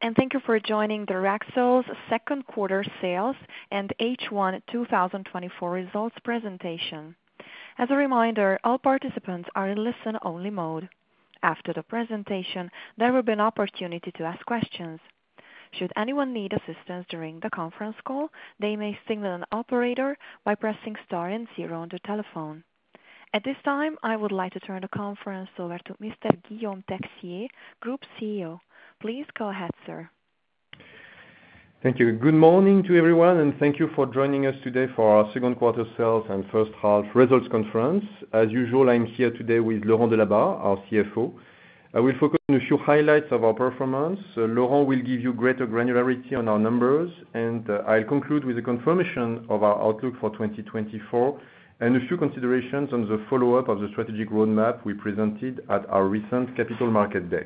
Thank you for joining the Rexel's second quarter sales and H1 2024 results presentation. As a reminder, all participants are in listen-only mode. After the presentation, there will be an opportunity to ask questions. Should anyone need assistance during the conference call, they may signal an operator by pressing star and zero on the telephone. At this time, I would like to turn the conference over to Mr. Guillaume Texier, Group CEO. Please go ahead, sir. Thank you. Good morning to everyone, and thank you for joining us today for our second quarter sales and first half results conference. As usual, I'm here today with Laurent Delabarre, our CFO. I will focus on a few highlights of our performance. Laurent will give you greater granularity on our numbers, and I'll conclude with a confirmation of our outlook for 2024 and a few considerations on the follow-up of the strategic roadmap we presented at our recent Capital Markets Day.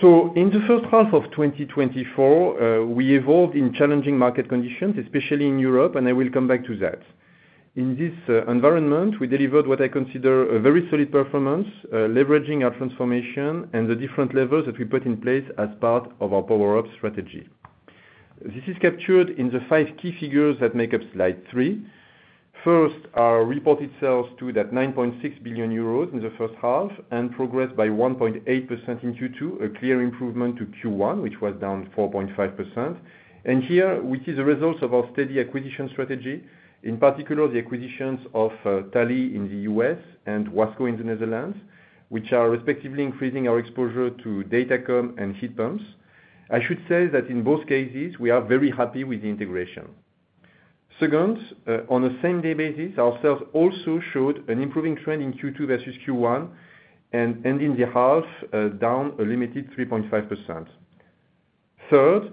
So, in the first half of 2024, we evolved in challenging market conditions, especially in Europe, and I will come back to that. In this environment, we delivered what I consider a very solid performance, leveraging our transformation and the different levers that we put in place as part of our Power-Up strategy. This is captured in the five key figures that make up slide three. First, our reported sales totaled 9.6 billion euros in the first half and progressed by 1.8% in Q2, a clear improvement to Q1, which was down 4.5%. Here, we see the results of our steady acquisition strategy, in particular the acquisitions of Talley in the U.S. and Wasco in the Netherlands, which are respectively increasing our exposure to datacom and heat pumps. I should say that in both cases, we are very happy with the integration. Second, on a same-day basis, our sales also showed an improving trend in Q2 versus Q1, and in the half, down a limited 3.5%. Third,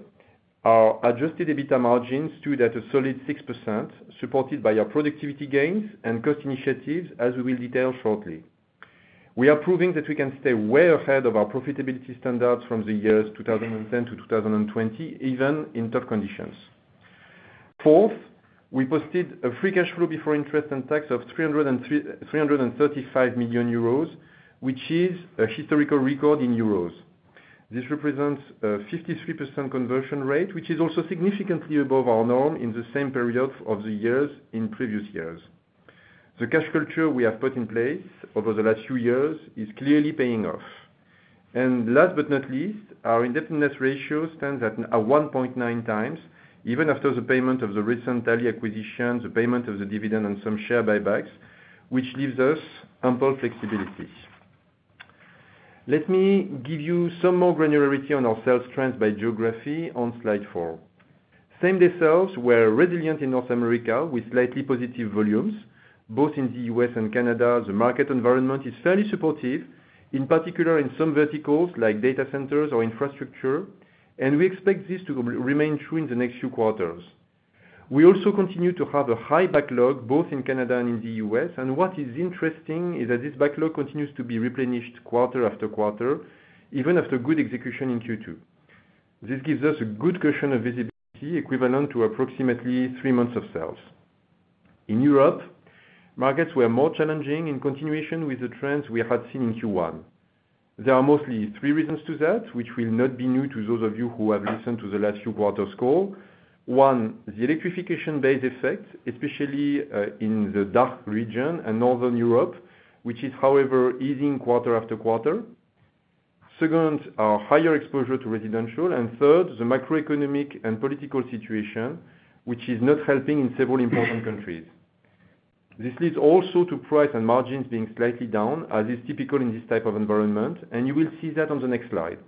our adjusted EBITDA margins stood at a solid 6%, supported by our productivity gains and cost initiatives, as we will detail shortly. We are proving that we can stay way ahead of our profitability standards from the years 2010 to 2020, even in tough conditions. Fourth, we posted a free cash flow before interest and tax of 335 million euros, which is a historical record in euros. This represents a 53% conversion rate, which is also significantly above our norm in the same period of the years in previous years. The cash culture we have put in place over the last few years is clearly paying off. Last but not least, our indebtedness ratio stands at 1.9x, even after the payment of the recent Tally acquisition, the payment of the dividend, and some share buybacks, which leaves us ample flexibility. Let me give you some more granularity on our sales trends by geography on slide four. Same-day sales were resilient in North America with slightly positive volumes. Both in the U.S. and Canada, the market environment is fairly supportive, in particular in some verticals like data centers or infrastructure, and we expect this to remain true in the next few quarters. We also continue to have a high backlog both in Canada and in the U.S., and what is interesting is that this backlog continues to be replenished quarter after quarter, even after good execution in Q2. This gives us a good cushion of visibility equivalent to approximately three months of sales. In Europe, markets were more challenging in continuation with the trends we had seen in Q1. There are mostly three reasons to that, which will not be new to those of you who have listened to the last few quarters call. One, the electrification base effect, especially in the DACH region and northern Europe, which is, however, easing quarter after quarter. Second, our higher exposure to residential, and third, the macroeconomic and political situation, which is not helping in several important countries. This leads also to price and margins being slightly down, as is typical in this type of environment, and you will see that on the next slide.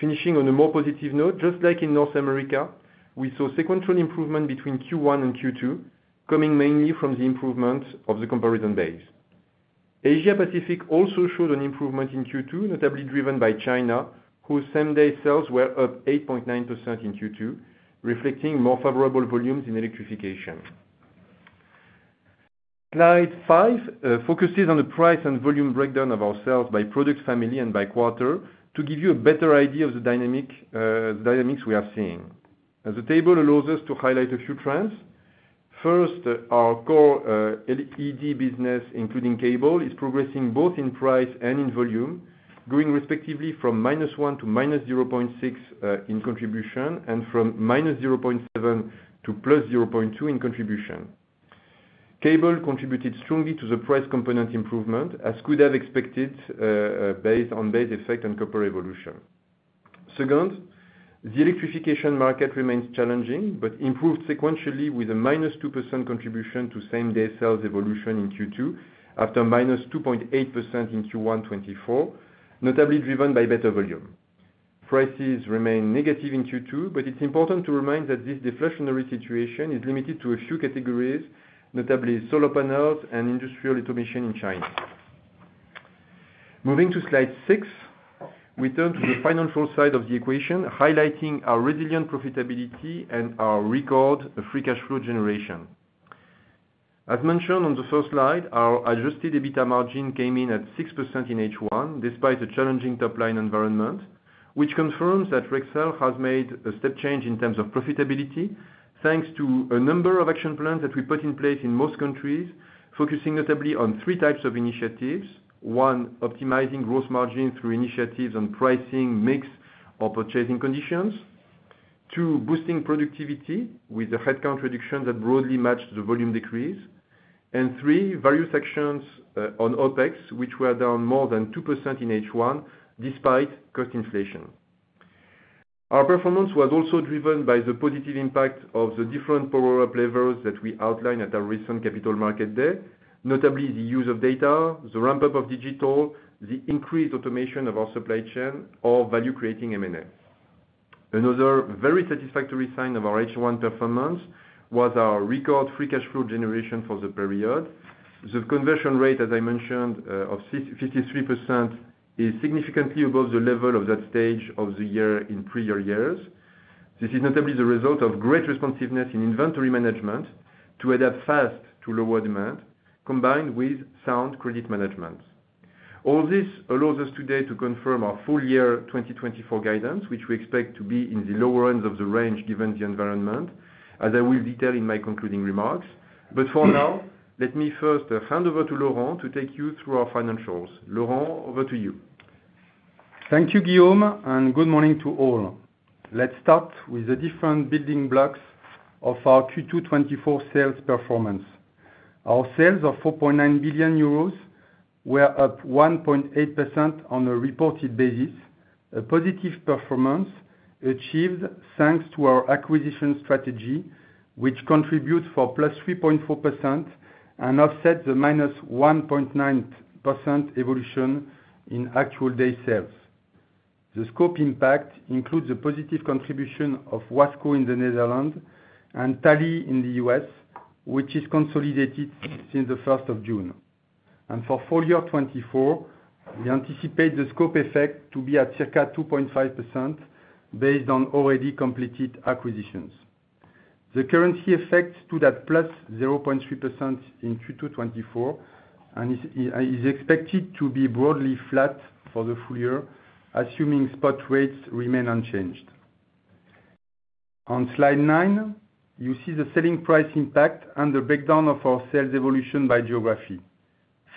Finishing on a more positive note, just like in North America, we saw sequential improvement between Q1 and Q2, coming mainly from the improvement of the comparison base. Asia-Pacific also showed an improvement in Q2, notably driven by China, whose same-day sales were up 8.9% in Q2, reflecting more favorable volumes in electrification. Slide five focuses on the price and volume breakdown of our sales by product family and by quarter to give you a better idea of the dynamics we are seeing. The table allows us to highlight a few trends. First, our core ED business, including cable, is progressing both in price and in volume, going respectively from -1 to -0.6 in contribution and from -0.7 to +0.2 in contribution. Cable contributed strongly to the price component improvement, as could have expected based on base effect and copper evolution. Second, the electrification market remains challenging but improved sequentially with a -2% contribution to same-day sales evolution in Q2 after -2.8% in Q1 2024, notably driven by better volume. Prices remain negative in Q2, but it's important to remind that this deflationary situation is limited to a few categories, notably solar panels and industrial automation in China. Moving to slide 6, we turn to the financial side of the equation, highlighting our resilient profitability and our record free cash flow generation. As mentioned on the first slide, our Adjusted EBITDA margin came in at 6% in H1, despite a challenging top-line environment, which confirms that Rexel has made a step change in terms of profitability, thanks to a number of action plans that we put in place in most countries, focusing notably on three types of initiatives: one, optimizing gross margin through initiatives on pricing, mix, or purchasing conditions. Two, boosting productivity with a headcount reduction that broadly matched the volume decrease. And three, various actions on OPEX, which were down more than 2% in H1 despite cost inflation. Our performance was also driven by the positive impact of the different power-up levers that we outlined at our recent Capital Markets Day, notably the use of data, the ramp-up of digital, the increased automation of our supply chain, or value-creating M&A. Another very satisfactory sign of our H1 performance was our record free cash flow generation for the period. The conversion rate, as I mentioned, of 53% is significantly above the level of that stage of the year in previous years. This is notably the result of great responsiveness in inventory management to adapt fast to lower demand, combined with sound credit management. All this allows us today to confirm our full year 2024 guidance, which we expect to be in the lower ends of the range given the environment, as I will detail in my concluding remarks. But for now, let me first hand over to Laurent to take you through our financials. Laurent, over to you. Thank you, Guillaume, and good morning to all. Let's start with the different building blocks of our Q2 2024 sales performance. Our sales of 4.9 billion euros were up 1.8% on a reported basis, a positive performance achieved thanks to our acquisition strategy, which contributes for +3.4% and offsets the -1.9% evolution in actual-day sales. The scope impact includes a positive contribution of Wasco in the Netherlands and Tally in the U.S., which is consolidated since the first of June. For full year 2024, we anticipate the scope effect to be at circa 2.5% based on already completed acquisitions. The currency effect to that +0.3% in Q2 2024 is expected to be broadly flat for the full year, assuming spot rates remain unchanged. On slide 9, you see the selling price impact and the breakdown of our sales evolution by geography.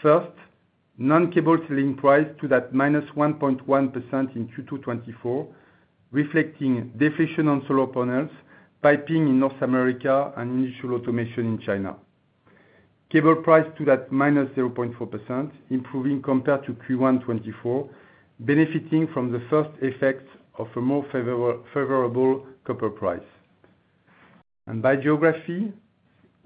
First, non-cable selling price LFL -1.1% in Q2 2024, reflecting deflation on solar panels, piping in North America, and industrial automation in China. Cable price LFL -0.4%, improving compared to Q1 2024, benefiting from the first effects of a more favorable copper price. By geography,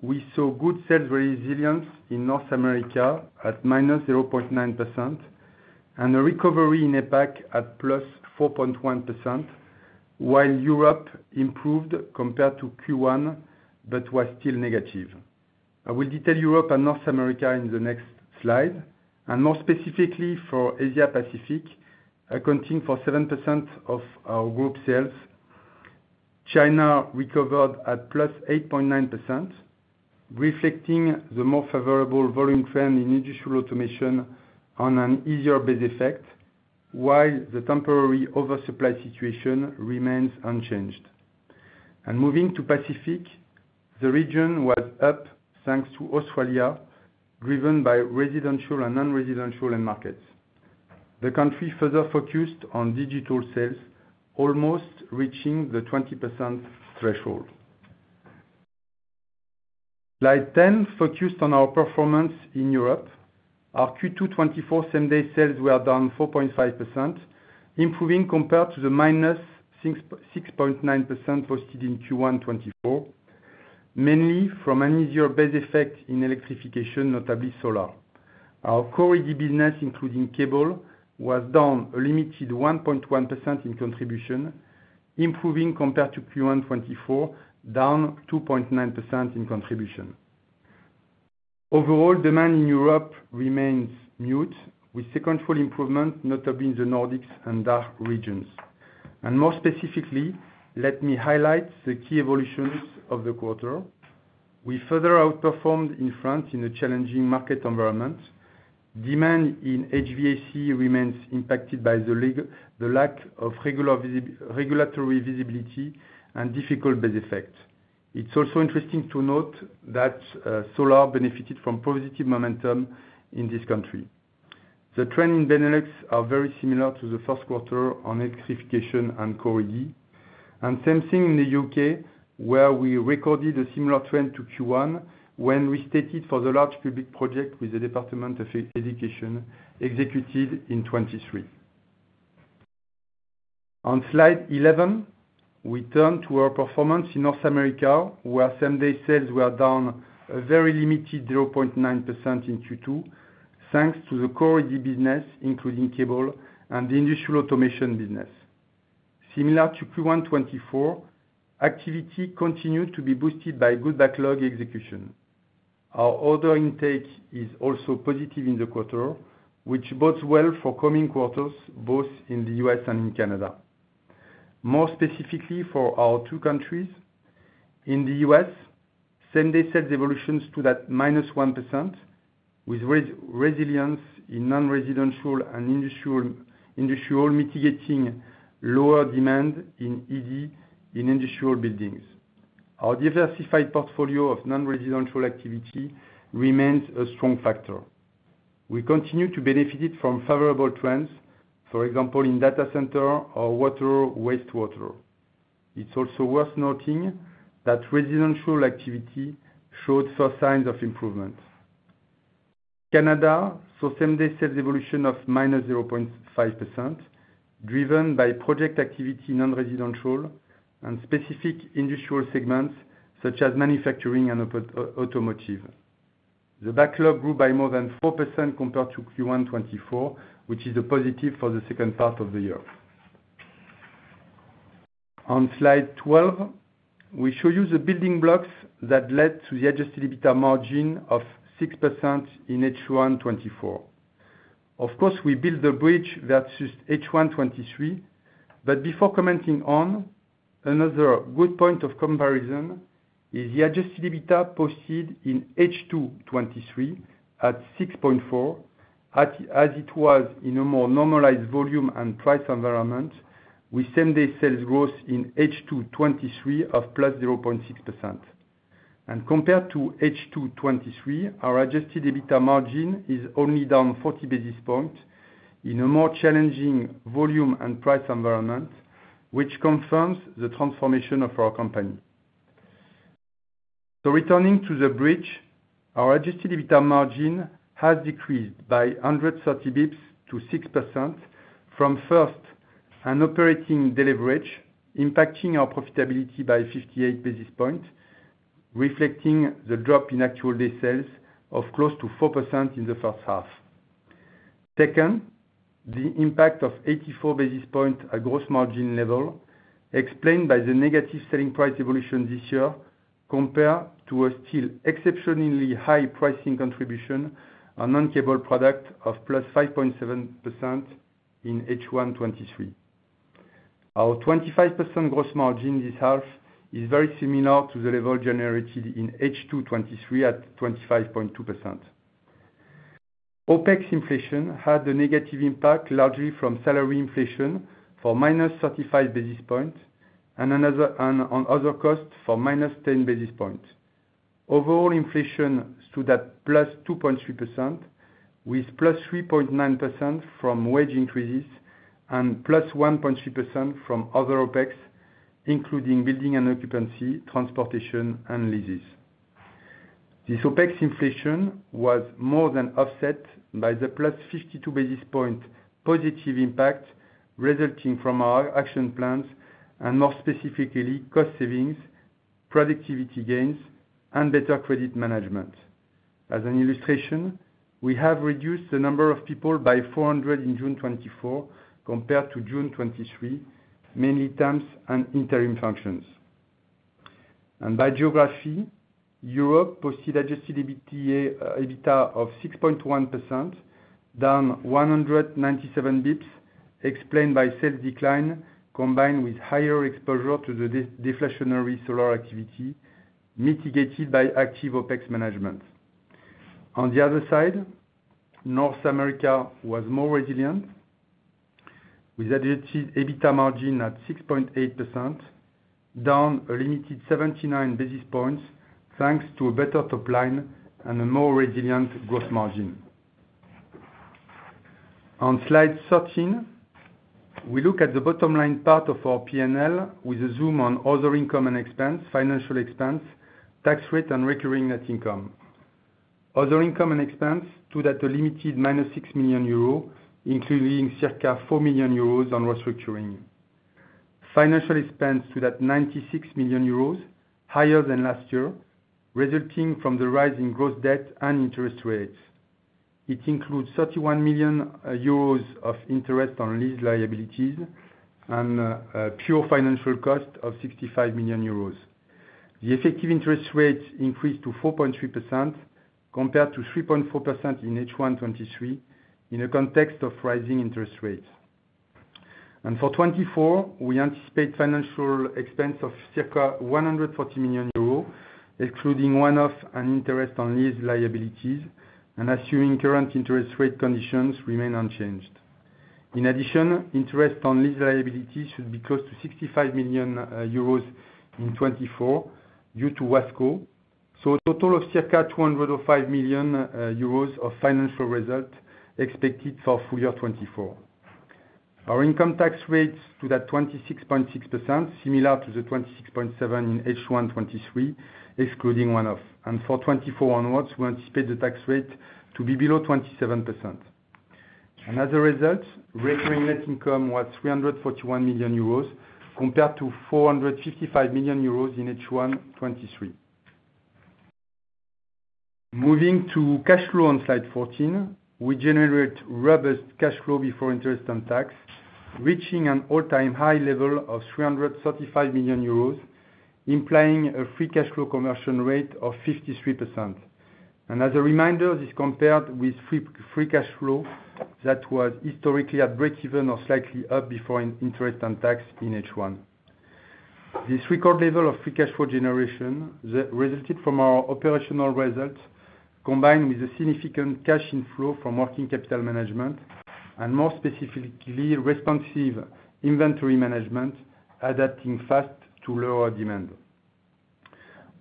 we saw good sales resilience in North America at -0.9% and a recovery in APAC at +4.1%, while Europe improved compared to Q1 but was still negative. I will detail Europe and North America in the next slide. More specifically for Asia-Pacific, accounting for 7% of our group sales, China recovered at +8.9%, reflecting the more favorable volume trend in industrial automation on an easier base effect, while the temporary oversupply situation remains unchanged. Moving to Pacific, the region was up thanks to Australia, driven by residential and non-residential end markets. The country further focused on digital sales, almost reaching the 20% threshold. Slide 10 focused on our performance in Europe. Our Q2 2024 same-day sales were down 4.5%, improving compared to the -6.9% posted in Q1 2024, mainly from an easier base effect in electrification, notably solar. Our core ED business, including cable, was down a limited 1.1% in contribution, improving compared to Q1 2024, down 2.9% in contribution. Overall, demand in Europe remains mute, with sequential improvement, notably in the Nordics and DACH regions. And more specifically, let me highlight the key evolutions of the quarter. We further outperformed in France in a challenging market environment. Demand in HVAC remains impacted by the lack of regulatory visibility and difficult base effect. It's also interesting to note that solar benefited from positive momentum in this country. The trend in Benelux is very similar to the first quarter on electrification and core ED. Same thing in the U.K. where we recorded a similar trend to Q1 when we started for the large public project with the Department for Education executed in 2023. On slide 11, we turn to our performance in North America, where same-day sales were down a very limited 0.9% in Q2, thanks to the core ED business, including cable, and the industrial automation business. Similar to Q1 2024, activity continued to be boosted by good backlog execution. Our order intake is also positive in the quarter, which bodes well for coming quarters, both in the U.S. and in Canada. More specifically for our two countries, in the U.S., same-day sales evolved to -1%, with resilience in non-residential and industrial mitigating lower demand in ED in industrial buildings. Our diversified portfolio of non-residential activity remains a strong factor. We continue to benefit from favorable trends, for example, in data center or water wastewater. It's also worth noting that residential activity showed first signs of improvement. Canada saw same-day sales evolution of -0.5%, driven by project activity in non-residential and specific industrial segments such as manufacturing and automotive. The backlog grew by more than 4% compared to Q1 2024, which is a positive for the second part of the year. On slide 12, we show you the building blocks that led to the Adjusted EBITDA margin of 6% in H1 2024. Of course, we build the bridge versus H1 2023, but before commenting on, another good point of comparison is the adjusted EBITDA posted in H2 2023 at 6.4%, as it was in a more normalized volume and price environment with same-day sales growth in H2 2023 of +0.6%. Compared to H2 2023, our adjusted EBITDA margin is only down 40 basis points in a more challenging volume and price environment, which confirms the transformation of our company. Returning to the bridge, our adjusted EBITDA margin has decreased by 130 basis points to 6% from first and operating deleverage, impacting our profitability by 58 basis points, reflecting the drop in same-day sales of close to 4% in the first half. Second, the impact of 84 basis points at gross margin level, explained by the negative selling price evolution this year, compared to a still exceptionally high pricing contribution on non-cable product of +5.7% in H1 2023. Our 25% gross margin this half is very similar to the level generated in H2 2023 at 25.2%. OPEX inflation had a negative impact, largely from salary inflation for -35 basis points and on other costs for -10 basis points. Overall, inflation stood at +2.3%, with +3.9% from wage increases and +1.3% from other OPEX, including building and occupancy, transportation, and leases. This OPEX inflation was more than offset by the +52 basis point positive impact resulting from our action plans and more specifically cost savings, productivity gains, and better credit management. As an illustration, we have reduced the number of people by 400 in June 2024 compared to June 2023, mainly temps and interim functions. By geography, Europe posted adjusted EBITDA of 6.1%, down 197 basis points, explained by sales decline combined with higher exposure to the deflationary solar activity mitigated by active OPEX management. On the other side, North America was more resilient, with adjusted EBITDA margin at 6.8%, down a limited 79 basis points thanks to a better top line and a more resilient gross margin. On slide 13, we look at the bottom line part of our P&L with a zoom on other income and expense, financial expense, tax rate, and recurring net income. Other income and expense stood at a limited -6 million euros, including circa 4 million euros on restructuring. Financial expense stood at 96 million euros, higher than last year, resulting from the rise in gross debt and interest rates. It includes 31 million euros of interest on lease liabilities and a pure financial cost of 65 million euros. The effective interest rate increased to 4.3% compared to 3.4% in H1 2023 in the context of rising interest rates. For 2024, we anticipate financial expense of circa 140 million euros, excluding one-off and interest on lease liabilities, and assuming current interest rate conditions remain unchanged. In addition, interest on lease liabilities should be close to 65 million euros in 2024 due to Wasco, so a total of circa 205 million euros of financial result expected for full year 2024. Our income tax rate stood at 26.6%, similar to the 26.7% in H1 2023, excluding one-off. For 2024 onwards, we anticipate the tax rate to be below 27%. Another result, recurring net income was 341 million euros compared to 455 million euros in H1 2023. Moving to cash flow on slide 14, we generate robust cash flow before interest and tax, reaching an all-time high level of 335 million euros, implying a free cash flow conversion rate of 53%. As a reminder, this compared with free cash flow that was historically at break-even or slightly up before interest and tax in H1. This record level of free cash flow generation resulted from our operational result combined with a significant cash inflow from working capital management and more specifically responsive inventory management adapting fast to lower demand.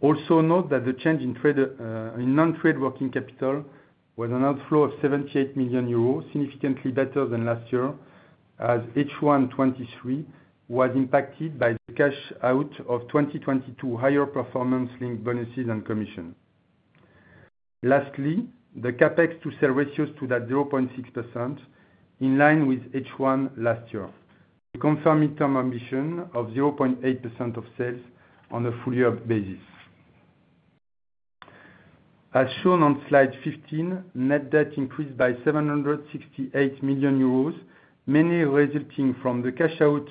Also note that the change in non-trade working capital was an outflow of 78 million euros, significantly better than last year, as H1 2023 was impacted by the cash out of 2022 higher performance-linked bonuses and commission. Lastly, the CapEx to sales ratio stood at 0.6%, in line with H1 last year, confirming the ambition of 0.8% of sales on a full year basis. As shown on slide 15, net debt increased by 768 million euros, mainly resulting from the cash out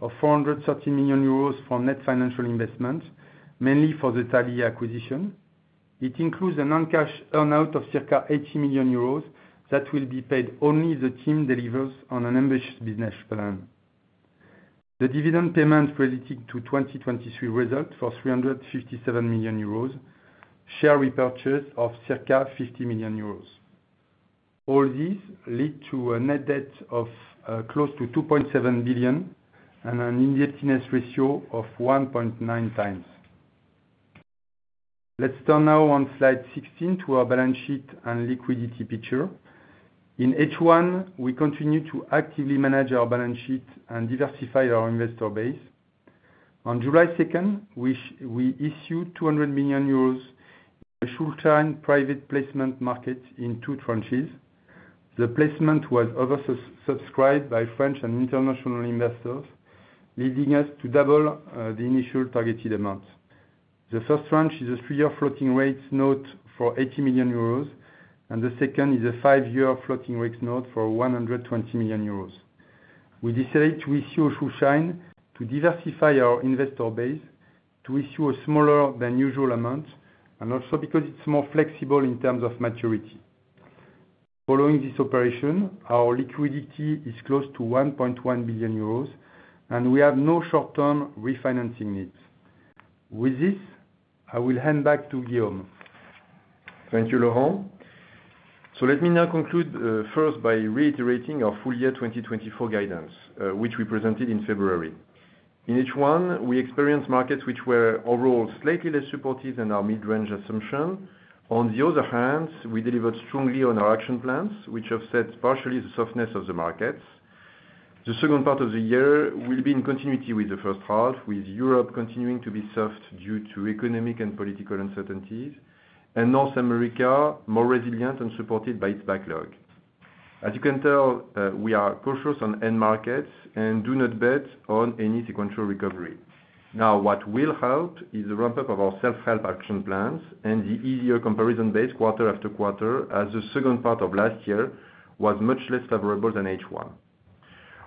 of 430 million euros from net financial investment, mainly for the Tally acquisition. It includes a non-cash earnout of circa 80 million euros that will be paid only if the team delivers on an ambitious business plan. The dividend payment relating to 2023 result for 357 million euros, share repurchase of circa 50 million euros. All these lead to a net debt of close to 2.7 billion and an indebtedness ratio of 1.9x. Let's turn now on slide 16 to our balance sheet and liquidity picture. In H1, we continue to actively manage our balance sheet and diversify our investor base. On July 2nd, we issued 200 million euros in a short-term private placement market in two tranches. The placement was oversubscribed by French and international investors, leading us to double the initial targeted amount. The first tranche is a three-year floating rate note for 80 million euros, and the second is a five-year floating rate note for 120 million euros. We decided to issue a Schuldschein to diversify our investor base to issue a smaller than usual amount, and also because it's more flexible in terms of maturity. Following this operation, our liquidity is close to 1.1 billion euros, and we have no short-term refinancing needs. With this, I will hand back to Guillaume. Thank you, Laurent. So let me now conclude first by reiterating our full year 2024 guidance, which we presented in February. In H1, we experienced markets which were overall slightly less supportive than our mid-range assumption. On the other hand, we delivered strongly on our action plans, which offset partially the softness of the markets. The second part of the year will be in continuity with the first half, with Europe continuing to be soft due to economic and political uncertainties, and North America more resilient and supported by its backlog. As you can tell, we are cautious on end markets and do not bet on any sequential recovery. Now, what will help is the ramp-up of our self-help action plans and the easier comparison base quarter-after-quarter, as the second part of last year was much less favorable than H1.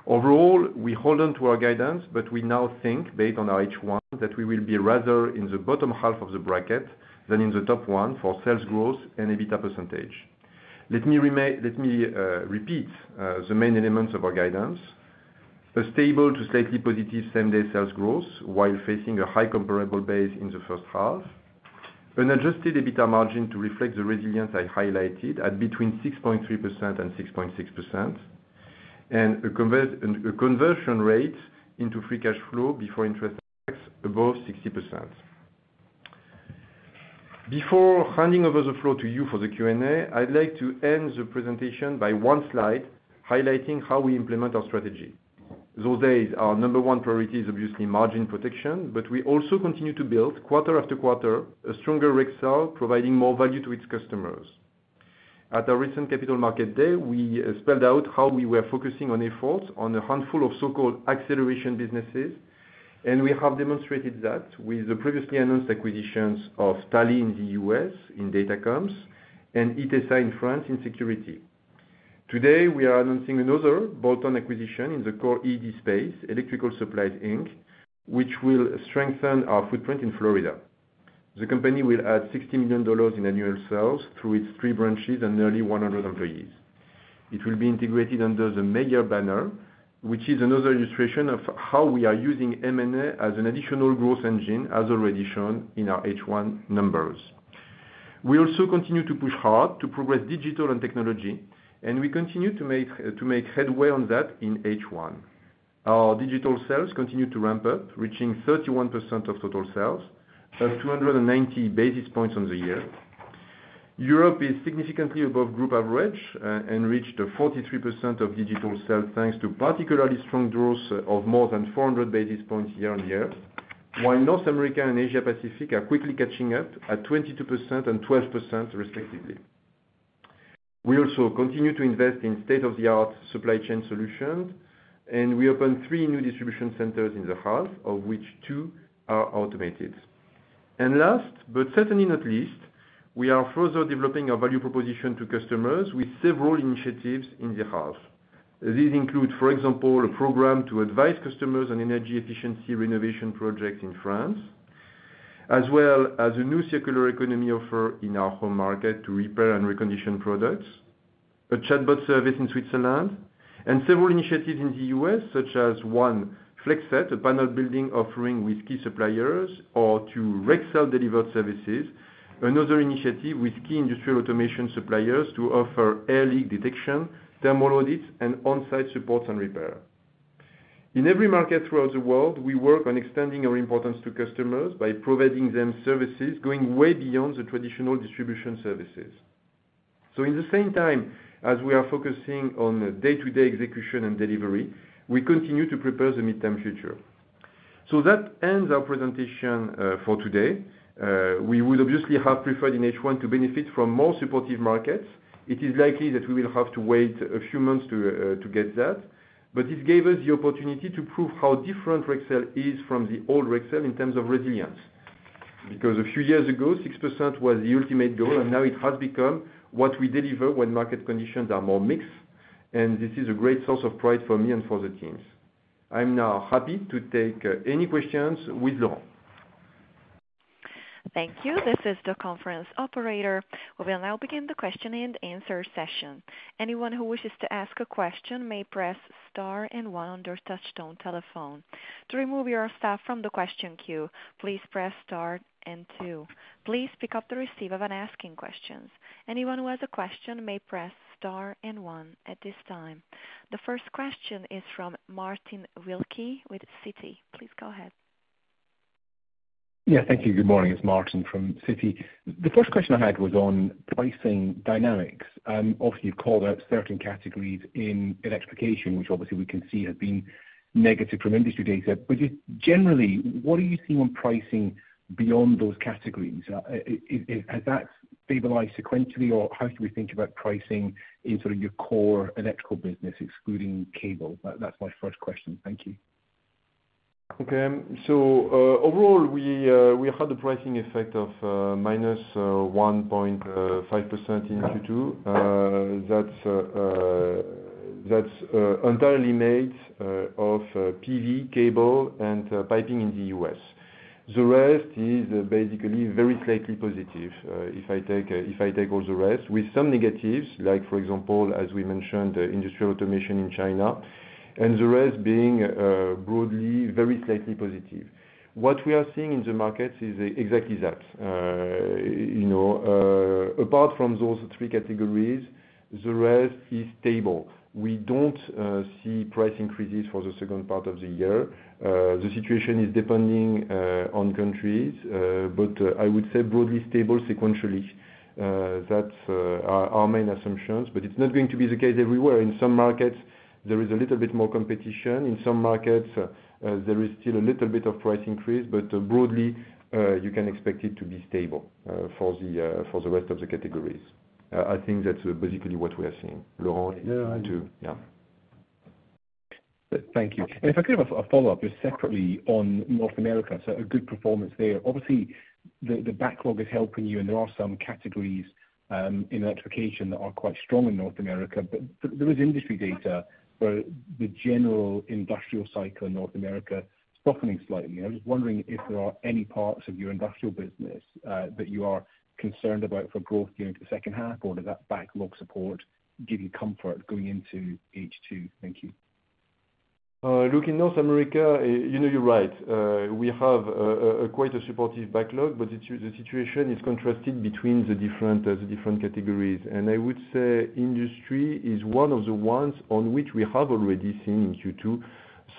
Overall, we hold on to our guidance, but we now think, based on our H1, that we will be rather in the bottom half of the bracket than in the top one for sales growth and EBITDA percentage. Let me repeat the main elements of our guidance: a stable to slightly positive same-day sales growth while facing a high comparable base in the first half, an adjusted EBITDA margin to reflect the resilience I highlighted at between 6.3% and 6.6%, and a conversion rate into free cash flow before interest above 60%. Before handing over the floor to you for the Q&A, I'd like to end the presentation by one slide highlighting how we implement our strategy. Those days are number one priorities, obviously margin protection, but we also continue to build quarter-after-quarter a stronger Rexel, providing more value to its customers. At our recent capital market day, we spelled out how we were focusing on efforts on a handful of so-called acceleration businesses, and we have demonstrated that with the previously announced acquisitions of Tally in the U.S. in data comms and Itesa in France in security. Today, we are announcing another bolt-on acquisition in the core ED space, Electrical Supplies Inc., which will strengthen our footprint in Florida. The company will add $60 million in annual sales through its three branches and nearly 100 employees. It will be integrated under the Mayer banner, which is another illustration of how we are using M&A as an additional growth engine, as already shown in our H1 numbers. We also continue to push hard to progress digital and technology, and we continue to make headway on that in H1. Our digital sales continue to ramp up, reaching 31% of total sales, plus 290 basis points on the year. Europe is significantly above group average and reached 43% of digital sales thanks to particularly strong growth of more than 400 basis points year-over-year, while North America and Asia-Pacific are quickly catching up at 22% and 12%, respectively. We also continue to invest in state-of-the-art supply chain solutions, and we opened three new distribution centers in the half, of which two are automated. Last, but certainly not least, we are further developing our value proposition to customers with several initiatives in the half. These include, for example, a program to advise customers on energy efficiency renovation projects in France, as well as a new circular economy offer in our home market to repair and recondition products, a chatbot service in Switzerland, and several initiatives in the U.S., such as one FlexSeT, a panel building offering with key suppliers, or to Rexel Delivered Services, another initiative with key industrial automation suppliers to offer air leak detection, thermal audits, and on-site supports and repair. In every market throughout the world, we work on extending our importance to customers by providing them services going way beyond the traditional distribution services. So in the same time as we are focusing on day-to-day execution and delivery, we continue to prepare the mid-term future. So that ends our presentation for today. We would obviously have preferred in H1 to benefit from more supportive markets. It is likely that we will have to wait a few months to get that, but this gave us the opportunity to prove how different Rexel is from the old Rexel in terms of resilience. Because a few years ago, 6% was the ultimate goal, and now it has become what we deliver when market conditions are more mixed, and this is a great source of pride for me and for the teams. I'm now happy to take any questions with Laurent. Thank you. This is the conference operator. We will now begin the question and answer session. Anyone who wishes to ask a question may press Star and One on their touch-tone telephone. To remove yourself from the question queue, please press Star and Two. Please pick up the receiver when asking a question. Anyone who has a question may press Star and One at this time. The first question is from Martin Wilkie with Citi. Please go ahead. Yeah, thank you. Good morning. It's Martin from Citi. The first question I had was on pricing dynamics. Obviously, you've called out certain categories in electrification, which obviously we can see have been negative from industry data. But just generally, what are you seeing on pricing beyond those categories? Has that stabilized sequentially, or how should we think about pricing in sort of your core electrical business, excluding cable? That's my first question. Thank you. Okay. So overall, we had a pricing effect of -1.5% in Q2. That's entirely made of PV, cable, and piping in the US. The rest is basically very slightly positive if I take all the rest, with some negatives, like for example, as we mentioned, industrial automation in China, and the rest being broadly very slightly positive. What we are seeing in the markets is exactly that. Apart from those three categories, the rest is stable. We don't see price increases for the second part of the year. The situation is depending on countries, but I would say broadly stable sequentially. That's our main assumptions, but it's not going to be the case everywhere. In some markets, there is a little bit more competition. In some markets, there is still a little bit of price increase, but broadly, you can expect it to be stable for the rest of the categories. I think that's basically what we are seeing. Laurent and you too. Yeah. Thank you. And if I could have a follow-up just separately on North America, so a good performance there. Obviously, the backlog is helping you, and there are some categories in electrification that are quite strong in North America, but there is industry data where the general industrial cycle in North America is softening slightly. I'm just wondering if there are any parts of your industrial business that you are concerned about for growth during the second half, or does that backlog support give you comfort going into H2? Thank you. Looking at North America, you know you're right. We have quite a supportive backlog, but the situation is contrasted between the different categories. And I would say industry is one of the ones on which we have already seen in Q2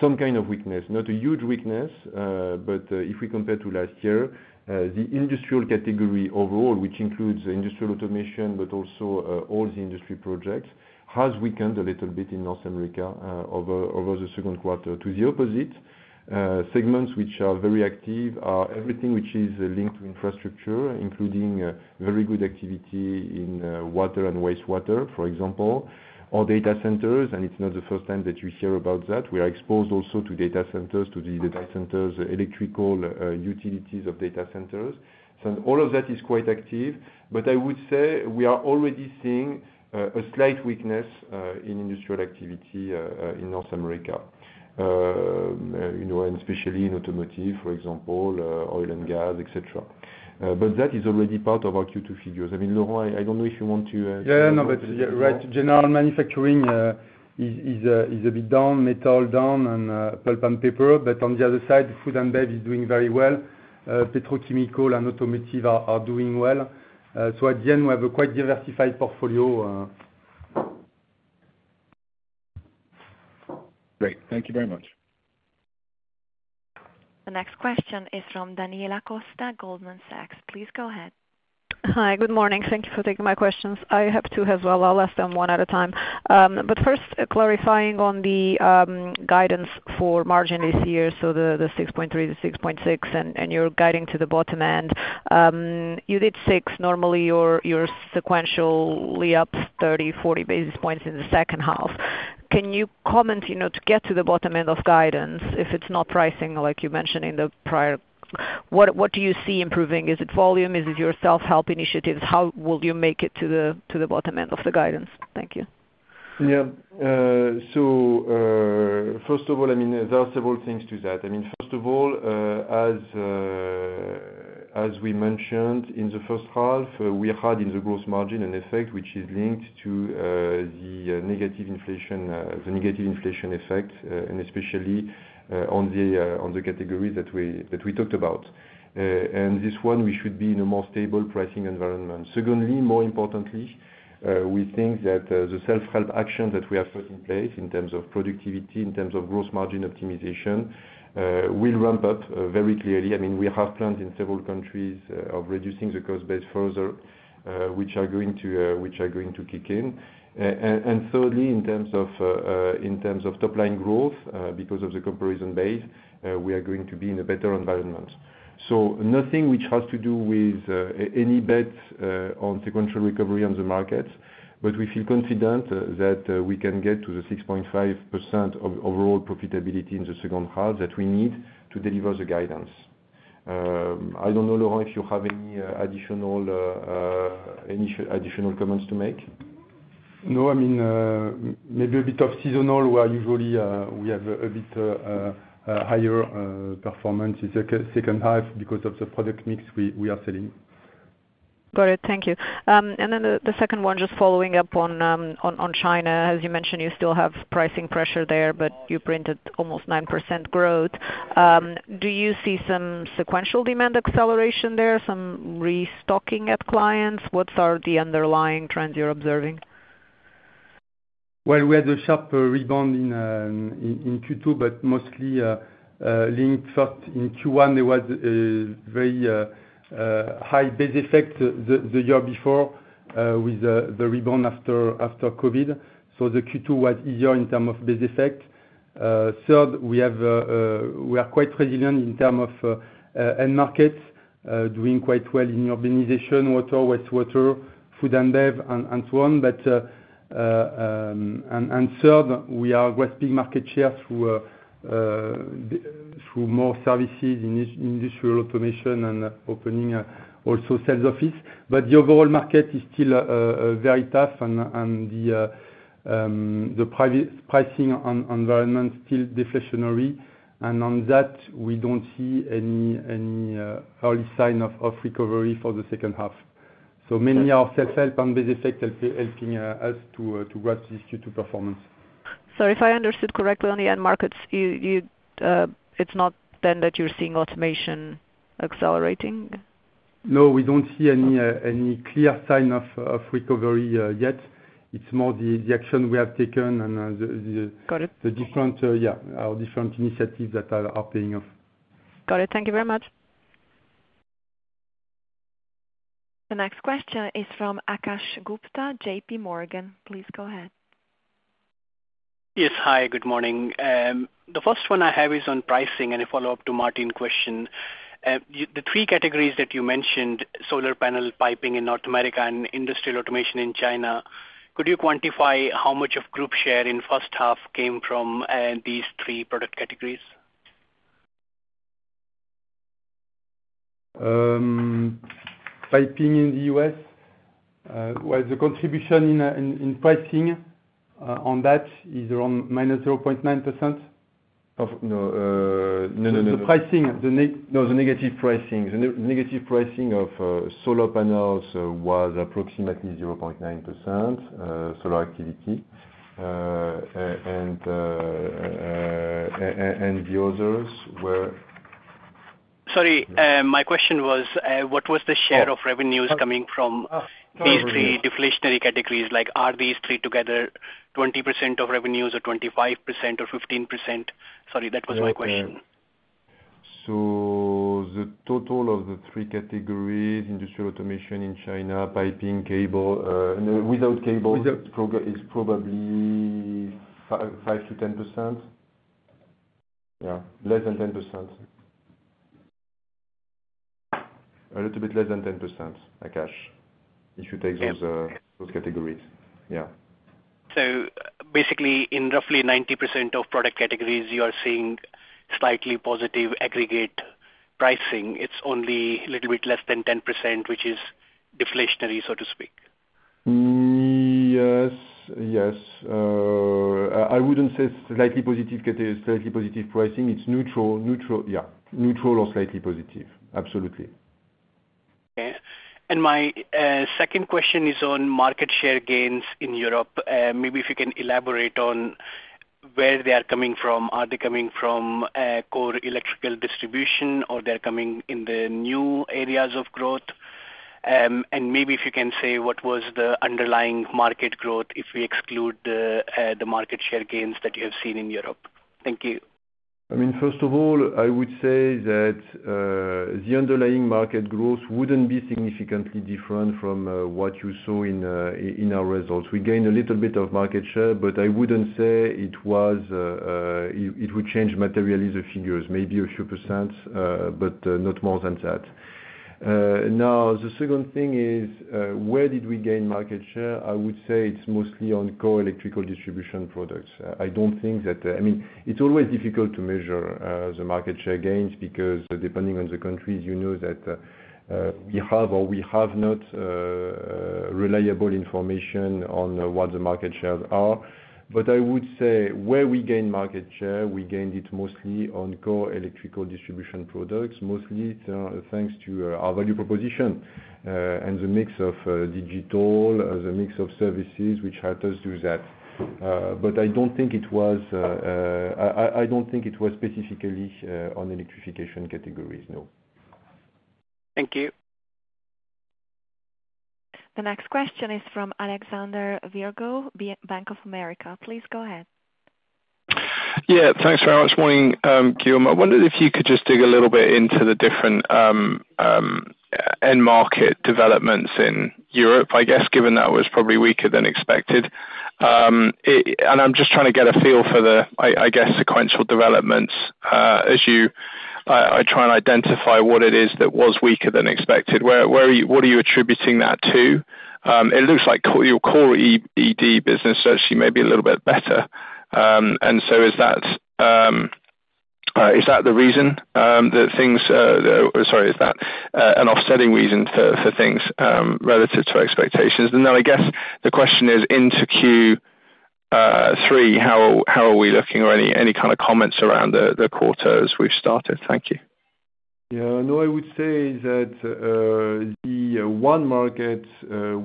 some kind of weakness. Not a huge weakness, but if we compare to last year, the industrial category overall, which includes industrial automation, but also all the industry projects, has weakened a little bit in North America over the second quarter. To the opposite, segments which are very active are everything which is linked to infrastructure, including very good activity in water and wastewater, for example, or data centers, and it's not the first time that you hear about that. We are exposed also to data centers, to the data centers, electrical utilities of data centers. So all of that is quite active, but I would say we are already seeing a slight weakness in industrial activity in North America, and especially in automotive, for example, oil and gas, etc. But that is already part of our Q2 figures. I mean, Laurent, I don't know if you want to. Yeah, no, but right. General manufacturing is a bit down, metal down, and pulp and paper. But on the other side, food and bev is doing very well. Petrochemical and automotive are doing well. So at the end, we have a quite diversified portfolio. Great. Thank you very much. The next question is from Daniela Costa, Goldman Sachs. Please go ahead. Hi. Good morning. Thank you for taking my questions. I have two as well. I'll ask them one at a time. But first, clarifying on the guidance for margin this year, so the 6.3, the 6.6, and you're guiding to the bottom end. You did 6. Normally, you're sequentially up 30-40 basis points in the second half. Can you comment to get to the bottom end of guidance? If it's not pricing, like you mentioned in the prior, what do you see improving? Is it volume? Is it self-help initiatives? How will you make it to the bottom end of the guidance? Thank you. Yeah. So first of all, I mean, there are several things to that. I mean, first of all, as we mentioned in the first half, we had in the gross margin an effect which is linked to the negative inflation effect, and especially on the categories that we talked about. And this one, we should be in a more stable pricing environment. Secondly, more importantly, we think that the self-help actions that we have put in place in terms of productivity, in terms of gross margin optimization, will ramp up very clearly. I mean, we have plans in several countries of reducing the cost base further, which are going to kick in. And thirdly, in terms of top-line growth, because of the comparison base, we are going to be in a better environment. So nothing which has to do with any bet on sequential recovery on the market, but we feel confident that we can get to the 6.5% of overall profitability in the second half that we need to deliver the guidance. I don't know, Laurent, if you have any additional comments to make. No, I mean, maybe a bit of seasonal where usually we have a bit higher performance in the second half because of the product mix we are selling. Got it. Thank you. And then the second one, just following up on China, as you mentioned, you still have pricing pressure there, but you printed almost 9% growth. Do you see some sequential demand acceleration there, some restocking at clients? What are the underlying trends you're observing? Well, we had a sharp rebound in Q2, but mostly linked. First, in Q1, there was a very high base effect the year before with the rebound after COVID. So the Q2 was easier in terms of base effect. Third, we are quite resilient in terms of end markets, doing quite well in urbanization, water, wastewater, food and bev, and so on. And third, we are grasping market shares through more services in industrial automation and opening also sales office. But the overall market is still very tough, and the pricing environment is still deflationary. And on that, we don't see any early sign of recovery for the second half. So mainly our self-help and base effect are helping us to grasp this Q2 performance. So if I understood correctly, on the end markets, it's not then that you're seeing automation accelerating? No, we don't see any clear sign of recovery yet. It's more the action we have taken and the different initiatives that are paying off. Got it. Thank you very much. The next question is from Akash Gupta, JP Morgan. Please go ahead. Yes. Hi. Good morning. The first one I have is on pricing and a follow-up to Martin's question. The three categories that you mentioned, solar panel, piping in North America, and industrial automation in China, could you quantify how much of group share in first half came from these three product categories? Piping in the US, well, the contribution in pricing on that is around -0.9%. No, no, no. The pricing, no, the negative pricing. The negative pricing of solar panels was approximately 0.9% solar activity. And the others were. Sorry. My question was, what was the share of revenues coming from these three deflationary categories? Are these three together 20% of revenues or 25% or 15%? Sorry, that was my question. So the total of the three categories, industrial automation in China, piping, cable, without cable, is probably 5%-10%. Yeah, less than 10%. A little bit less than 10%, Akash, if you take those categories. Yeah. So basically, in roughly 90% of product categories, you are seeing slightly positive aggregate pricing. It's only a little bit less than 10%, which is deflationary, so to speak. Yes, yes. I wouldn't say slightly positive pricing. It's neutral, yeah, neutral or slightly positive. Absolutely. Okay. My second question is on market share gains in Europe. Maybe if you can elaborate on where they are coming from. Are they coming from core electrical distribution, or they're coming in the new areas of growth? Maybe if you can say what was the underlying market growth if we exclude the market share gains that you have seen in Europe. Thank you. I mean, first of all, I would say that the underlying market growth wouldn't be significantly different from what you saw in our results. We gained a little bit of market share, but I wouldn't say it would change materially the figures, maybe a few %, but not more than that. Now, the second thing is, where did we gain market share? I would say it's mostly on core electrical distribution products. I don't think that I mean, it's always difficult to measure the market share gains because depending on the countries, you know that we have or we have not reliable information on what the market shares are. But I would say where we gained market share, we gained it mostly on core electrical distribution products, mostly thanks to our value proposition and the mix of digital, the mix of services which helped us do that. But I don't think it was specifically on electrification categories, no. Thank you. The next question is from Alexander Virgo, Bank of America. Please go ahead. Yeah. Thanks very much. Morning, Guillaume. I wondered if you could just dig a little bit into the different end market developments in Europe, I guess, given that it was probably weaker than expected. I'm just trying to get a feel for the, I guess, sequential developments as I try and identify what it is that was weaker than expected. What are you attributing that to? It looks like your core ED business is actually maybe a little bit better. And so is that the reason that things—sorry, is that an offsetting reason for things relative to expectations? And then I guess the question is, into Q3, how are we looking or any kind of comments around the quarter as we've started? Thank you. Yeah. No, I would say that the one market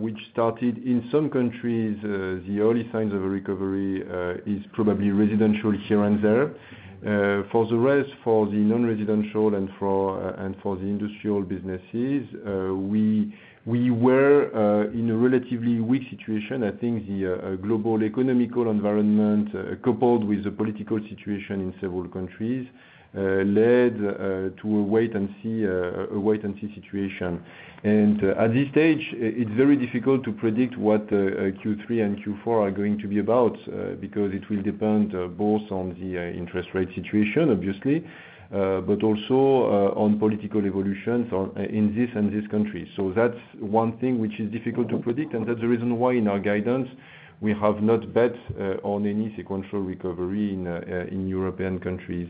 which started in some countries, the early signs of a recovery is probably residential here and there. For the rest, for the non-residential and for the industrial businesses, we were in a relatively weak situation. I think the global economic environment, coupled with the political situation in several countries, led to a wait-and-see situation. And at this stage, it's very difficult to predict what Q3 and Q4 are going to be about because it will depend both on the interest rate situation, obviously, but also on political evolutions in this and this country. So that's one thing which is difficult to predict, and that's the reason why in our guidance, we have not bet on any sequential recovery in European countries.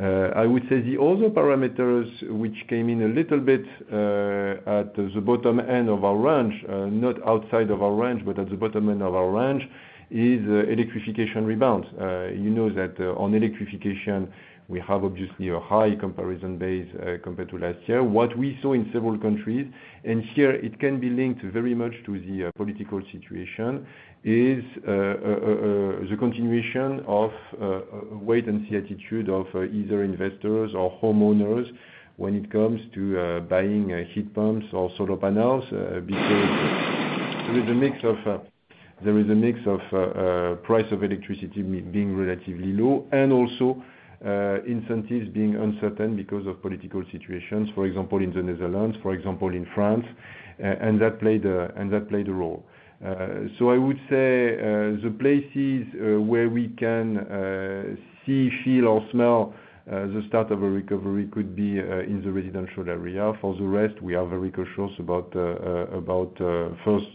I would say the other parameters which came in a little bit at the bottom end of our range, not outside of our range, but at the bottom end of our range, is electrification rebound. You know that on electrification, we have obviously a high comparison base compared to last year. What we saw in several countries, and here it can be linked very much to the political situation, is the continuation of wait-and-see attitude of either investors or homeowners when it comes to buying heat pumps or solar panels because there is a mix of price of electricity being relatively low and also incentives being uncertain because of political situations, for example, in the Netherlands, for example, in France, and that played a role. I would say the places where we can see, feel, or smell the start of a recovery could be in the residential area. For the rest, we are very cautious about first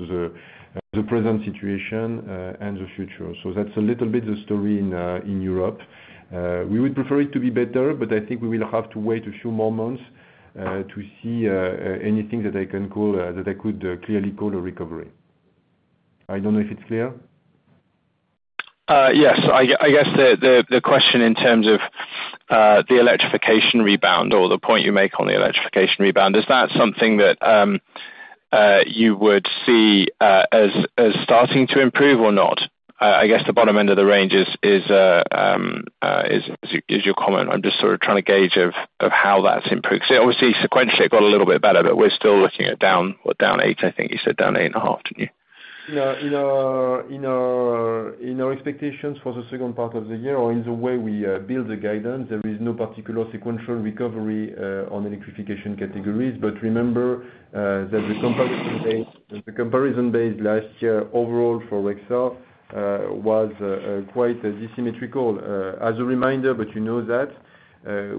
the present situation and the future. That's a little bit the story in Europe. We would prefer it to be better, but I think we will have to wait a few more months to see anything that I can call that I could clearly call a recovery. I don't know if it's clear. Yes. I guess the question in terms of the electrification rebound or the point you make on the electrification rebound, is that something that you would see as starting to improve or not? I guess the bottom end of the range is your comment. I'm just sort of trying to gauge of how that's improved. Because obviously, sequentially, it got a little bit better, but we're still looking at down, what, down 8, I think you said, down 8.5, didn't you? In our expectations for the second part of the year or in the way we build the guidance, there is no particular sequential recovery on electrification categories. But remember that the comparison base last year overall for Rexel was quite asymmetrical. As a reminder, but you know that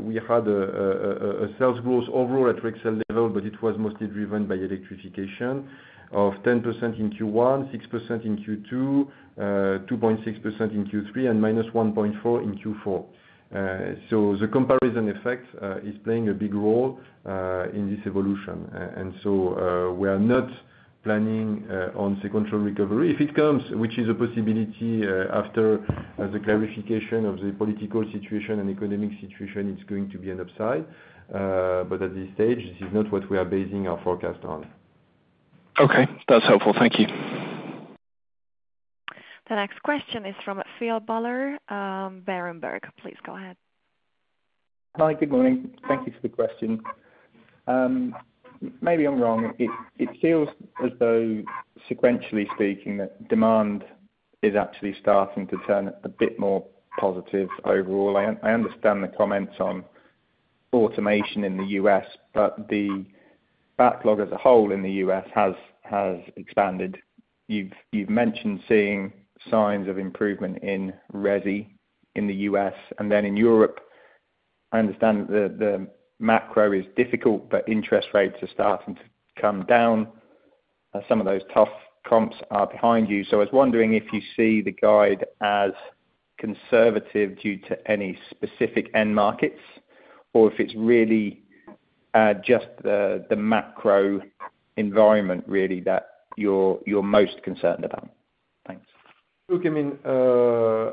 we had a sales growth overall at Rexel level, but it was mostly driven by electrification of 10% in Q1, 6% in Q2, 2.6% in Q3, and -1.4% in Q4. So the comparison effect is playing a big role in this evolution. And so we are not planning on sequential recovery. If it comes, which is a possibility after the clarification of the political situation and economic situation, it's going to be an upside. But at this stage, this is not what we are basing our forecast on. Okay. That's helpful. Thank you. The next question is from Phil Buller, Berenberg. Please go ahead. Hi. Good morning. Thank you for the question. Maybe I'm wrong. It feels as though, sequentially speaking, that demand is actually starting to turn a bit more positive overall. I understand the comments on automation in the U.S., but the backlog as a whole in the U.S. has expanded. You've mentioned seeing signs of improvement in RESI in the U.S. And then in Europe, I understand that the macro is difficult, but interest rates are starting to come down. Some of those tough comps are behind you. So I was wondering if you see the guide as conservative due to any specific end markets or if it's really just the macro environment really that you're most concerned about. Thanks. Look, I mean,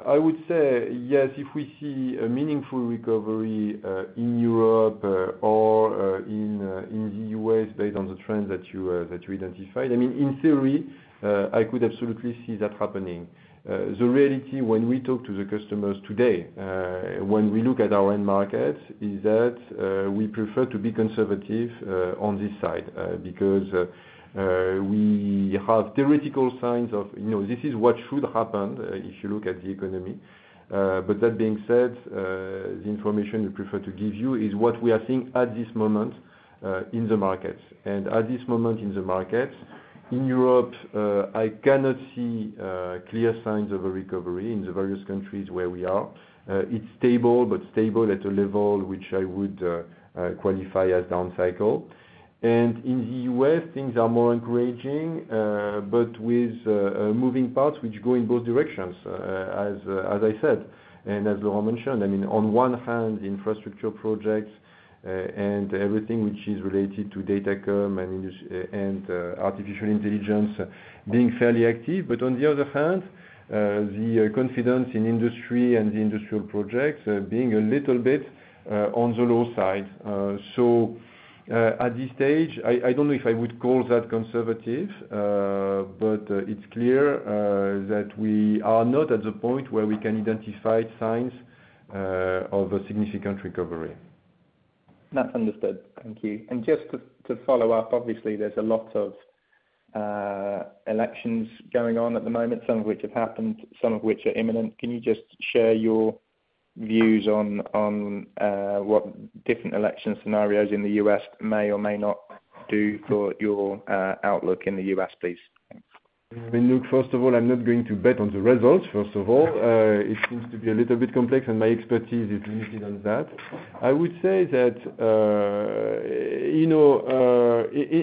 I would say yes, if we see a meaningful recovery in Europe or in the U.S. based on the trends that you identified. I mean, in theory, I could absolutely see that happening. The reality, when we talk to the customers today, when we look at our end markets, is that we prefer to be conservative on this side because we have theoretical signs of, "This is what should happen if you look at the economy." But that being said, the information we prefer to give you is what we are seeing at this moment in the markets. And at this moment in the markets, in Europe, I cannot see clear signs of a recovery in the various countries where we are. It's stable, but stable at a level which I would qualify as down cycle. And in the U.S., things are more encouraging, but with moving parts which go in both directions, as I said. And as Laurent mentioned, I mean, on one hand, infrastructure projects and everything which is related to data comm and artificial intelligence being fairly active. But on the other hand, the confidence in industry and the industrial projects being a little bit on the low side. So at this stage, I don't know if I would call that conservative, but it's clear that we are not at the point where we can identify signs of a significant recovery. That's understood. Thank you. And just to follow up, obviously, there's a lot of elections going on at the moment, some of which have happened, some of which are imminent. Can you just share your views on what different election scenarios in the U.S. may or may not do for your outlook in the U.S., please? I mean, look, first of all, I'm not going to bet on the results, first of all. It seems to be a little bit complex, and my expertise is limited on that. I would say that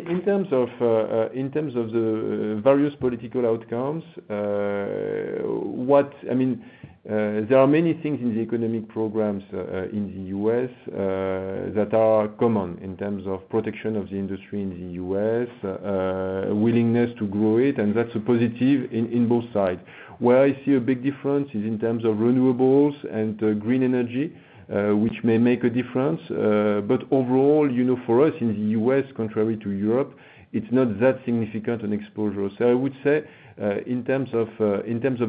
in terms of the various political outcomes, I mean, there are many things in the economic programs in the U.S. that are common in terms of protection of the industry in the U.S., willingness to grow it, and that's a positive in both sides. Where I see a big difference is in terms of renewables and green energy, which may make a difference. But overall, for us in the U.S., contrary to Europe, it's not that significant an exposure. So I would say in terms of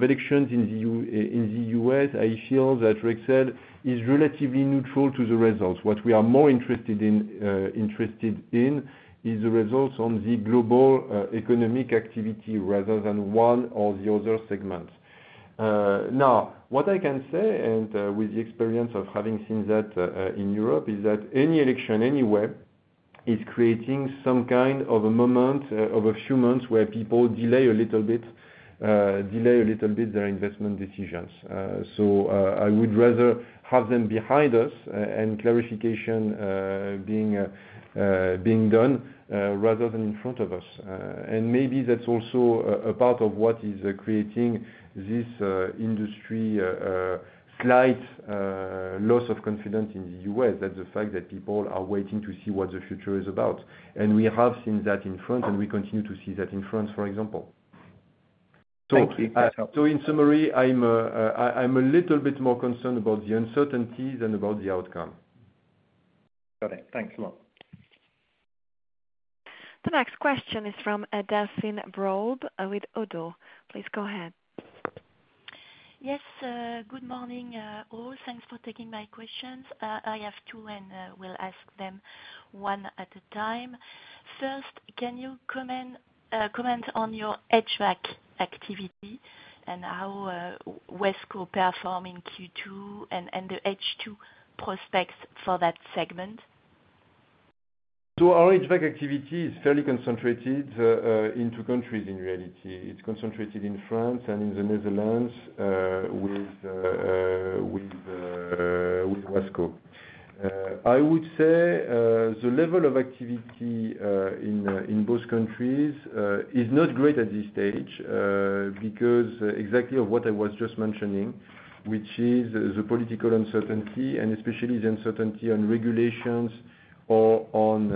elections in the U.S., I feel that Rexel is relatively neutral to the results. What we are more interested in is the results on the global economic activity rather than one or the other segments. Now, what I can say, and with the experience of having seen that in Europe, is that any election anywhere is creating some kind of a moment of a few months where people delay a little bit, delay a little bit their investment decisions. So I would rather have them behind us and clarification being done rather than in front of us. And maybe that's also a part of what is creating this industry slight loss of confidence in the U.S., that the fact that people are waiting to see what the future is about. And we have seen that in France, and we continue to see that in France, for example. So in summary, I'm a little bit more concerned about the uncertainties than about the outcome. Got it. Thanks a lot. The next question is from Delphine Braibant with Oddo BHF. Please go ahead. Yes. Good morning, all. Thanks for taking my questions. I have two and will ask them one at a time. First, can you comment on your HVAC activity and how Wasco perform in Q2 and the H2 prospects for that segment? So our HVAC activity is fairly concentrated in two countries in reality. It's concentrated in France and in the Netherlands with Wasco. I would say the level of activity in both countries is not great at this stage because exactly of what I was just mentioning, which is the political uncertainty and especially the uncertainty on regulations or on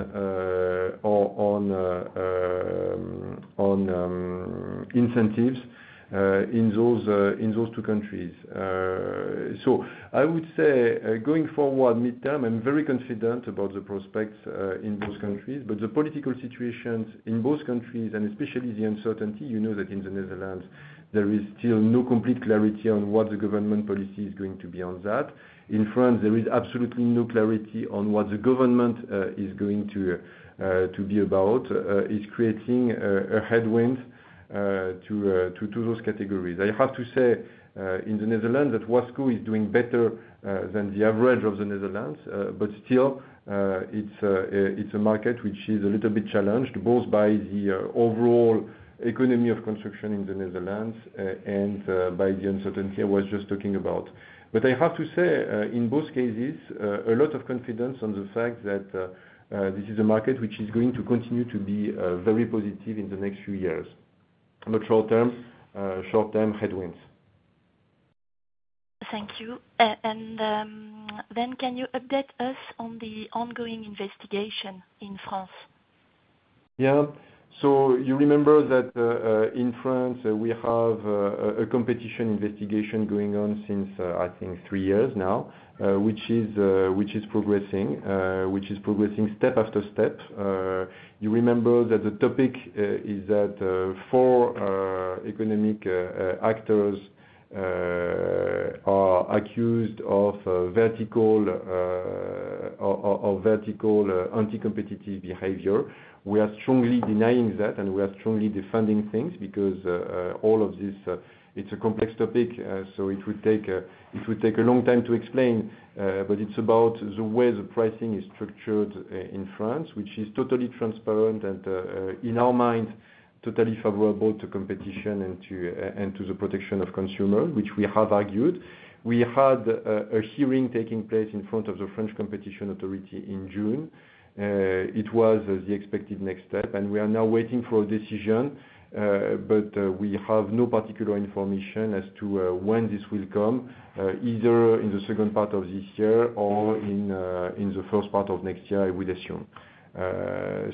incentives in those two countries. So I would say going forward midterm, I'm very confident about the prospects in those countries. But the political situations in both countries and especially the uncertainty, you know that in the Netherlands, there is still no complete clarity on what the government policy is going to be on that. In France, there is absolutely no clarity on what the government is going to be about. It's creating a headwind to those categories. I have to say in the Netherlands that Wasco is doing better than the average of the Netherlands, but still, it's a market which is a little bit challenged both by the overall economy of construction in the Netherlands and by the uncertainty I was just talking about. But I have to say in both cases, a lot of confidence on the fact that this is a market which is going to continue to be very positive in the next few years. But short-term, short-term headwinds. Thank you. And then can you update us on the ongoing investigation in France? Yeah. So you remember that in France, we have a competition investigation going on since, I think, three years now, which is progressing, which is progressing step after step. You remember that the topic is that four economic actors are accused of vertical anti-competitive behavior. We are strongly denying that, and we are strongly defending things because all of this, it's a complex topic, so it would take a long time to explain. But it's about the way the pricing is structured in France, which is totally transparent and in our minds, totally favorable to competition and to the protection of consumers, which we have argued. We had a hearing taking place in front of the French competition authority in June. It was the expected next step, and we are now waiting for a decision, but we have no particular information as to when this will come, either in the second part of this year or in the first part of next year, I would assume.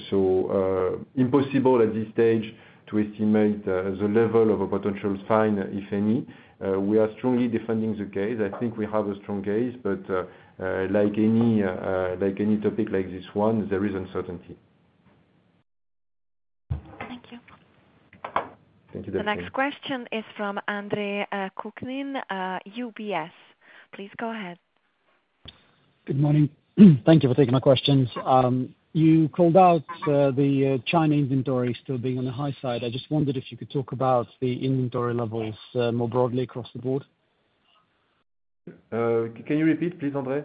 So impossible at this stage to estimate the level of a potential fine, if any. We are strongly defending the case. I think we have a strong case, but like any topic like this one, there is uncertainty. Thank you. Thank you very much. The next question is from André Kukhnin, UBS. Please go ahead. Good morning. Thank you for taking my questions. You called out the China inventory still being on the high side. I just wondered if you could talk about the inventory levels more broadly across the board. Can you repeat, please, André?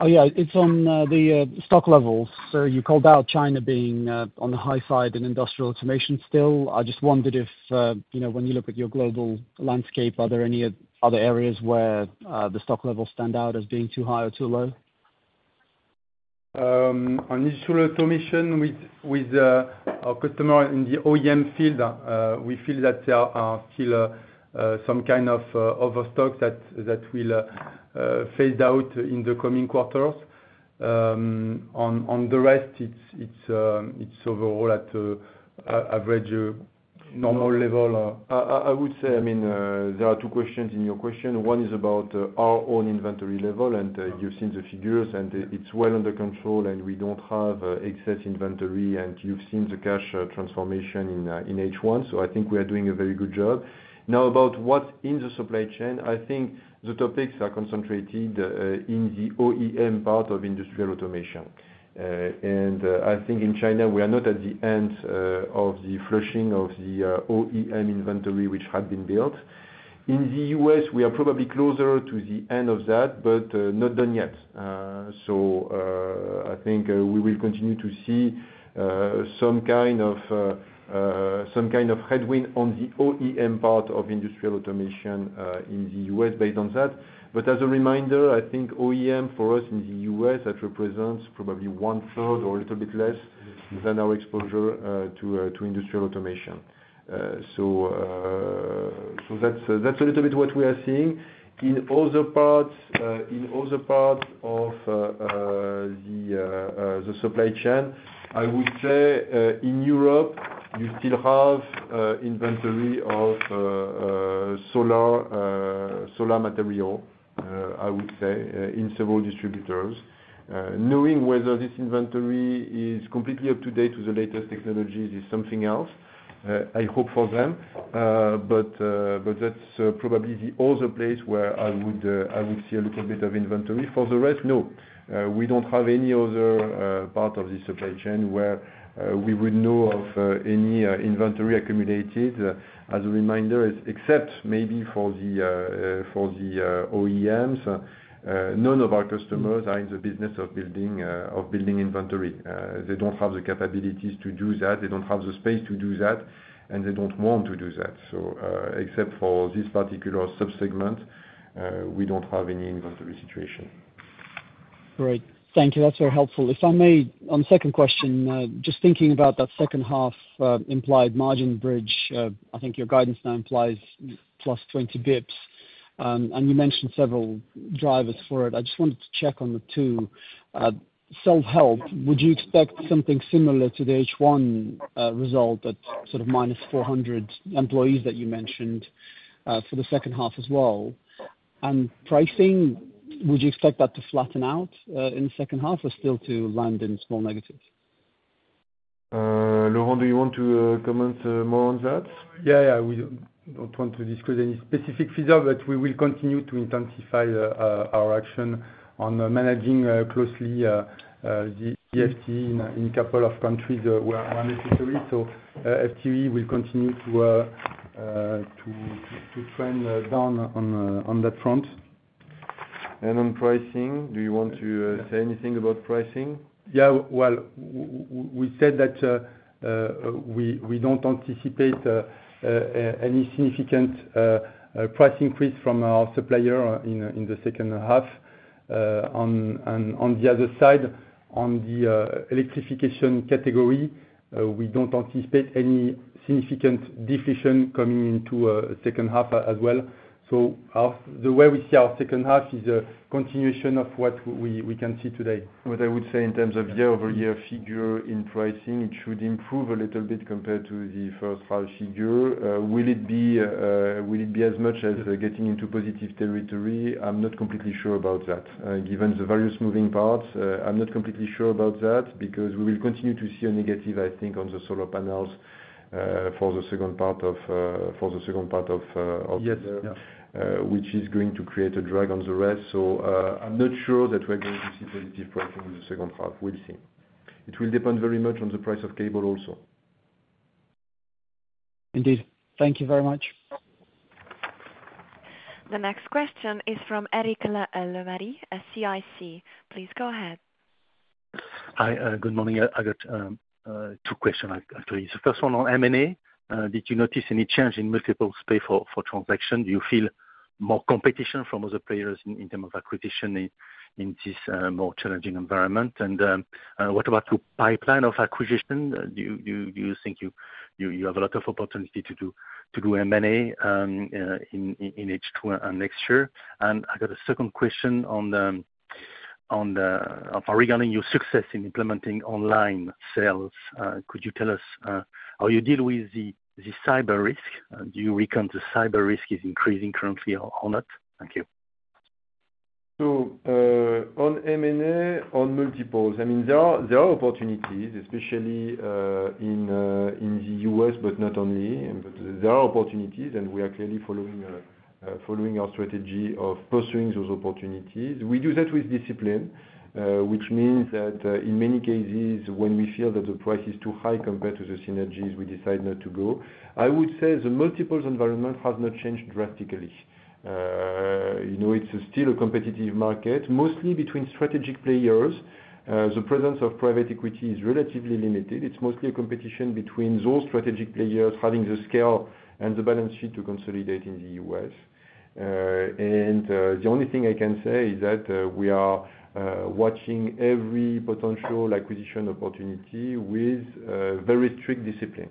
Oh, yeah. It's on the stock levels. So you called out China being on the high side in industrial automation still. I just wondered if when you look at your global landscape, are there any other areas where the stock levels stand out as being too high or too low? On industrial automation with our customer in the OEM field, we feel that there are still some kind of overstock that will phase out in the coming quarters. On the rest, it's overall at average normal level. I would say, I mean, there are two questions in your question. One is about our own inventory level, and you've seen the figures, and it's well under control, and we don't have excess inventory, and you've seen the cash transformation in H1. So I think we are doing a very good job. Now, about what's in the supply chain, I think the topics are concentrated in the OEM part of industrial automation. And I think in China, we are not at the end of the flushing of the OEM inventory which had been built. In the U.S., we are probably closer to the end of that, but not done yet. So I think we will continue to see some kind of headwind on the OEM part of industrial automation in the U.S. based on that. But as a reminder, I think OEM for us in the U.S., that represents probably one-third or a little bit less than our exposure to industrial automation. So that's a little bit what we are seeing. In other parts of the supply chain, I would say in Europe, you still have inventory of solar material, I would say, in several distributors. Knowing whether this inventory is completely up-to-date with the latest technologies is something else. I hope for them. But that's probably the other place where I would see a little bit of inventory. For the rest, no. We don't have any other part of the supply chain where we would know of any inventory accumulated. As a reminder, except maybe for the OEMs, none of our customers are in the business of building inventory. They don't have the capabilities to do that. They don't have the space to do that, and they don't want to do that. So except for this particular subsegment, we don't have any inventory situation. Great. Thank you. That's very helpful. If I may, on the second question, just thinking about that second half implied margin bridge, I think your guidance now implies plus 20 basis points. And you mentioned several drivers for it. I just wanted to check on the two. Self-help, would you expect something similar to the H1 result, that sort of -400 employees that you mentioned for the second half as well? And pricing, would you expect that to flatten out in the second half or still to land in small negatives? Laurent, do you want to comment more on that? Yeah, yeah. We don't want to discuss any specific headcount, but we will continue to intensify our action on managing closely the FTE in a couple of countries where necessary. So FTE will continue to trend down on that front. And on pricing, do you want to say anything about pricing? Yeah. Well, we said that we don't anticipate any significant price increase from our supplier in the second half. On the other side, on the electrification category, we don't anticipate any significant deflation coming into second half as well. So the way we see our second half is a continuation of what we can see today. What I would say in terms of year-over-year figure in pricing, it should improve a little bit compared to the first half figure. Will it be as much as getting into positive territory? I'm not completely sure about that. Given the various moving parts, I'm not completely sure about that because we will continue to see a negative, I think, on the solar panels for the second part of the year, which is going to create a drag on the rest. So I'm not sure that we're going to see positive pricing in the second half. We'll see. It will depend very much on the price of cable also. Indeed. Thank you very much. The next question is from Éric Lemarié, CIC. Please go ahead. Hi. Good morning. I got two questions, actually. The first one on M&A. Did you notice any change in multiples pace for transactions? Do you feel more competition from other players in terms of acquisitions in this more challenging environment? And what about your pipeline of acquisitions? Do you think you have a lot of opportunity to do M&A in H2 next year? And I got a second question regarding your success in implementing online sales. Could you tell us how you deal with the cyber risk? Do you reckon the cyber risk is increasing currently or not? Thank you. So on M&A, on multiples, I mean, there are opportunities, especially in the US, but not only. There are opportunities, and we are clearly following our strategy of pursuing those opportunities. We do that with discipline, which means that in many cases, when we feel that the price is too high compared to the synergies, we decide not to go. I would say the multiples environment has not changed drastically. It's still a competitive market, mostly between strategic players. The presence of private equity is relatively limited. It's mostly a competition between those strategic players having the scale and the balance sheet to consolidate in the U.S. And the only thing I can say is that we are watching every potential acquisition opportunity with very strict discipline.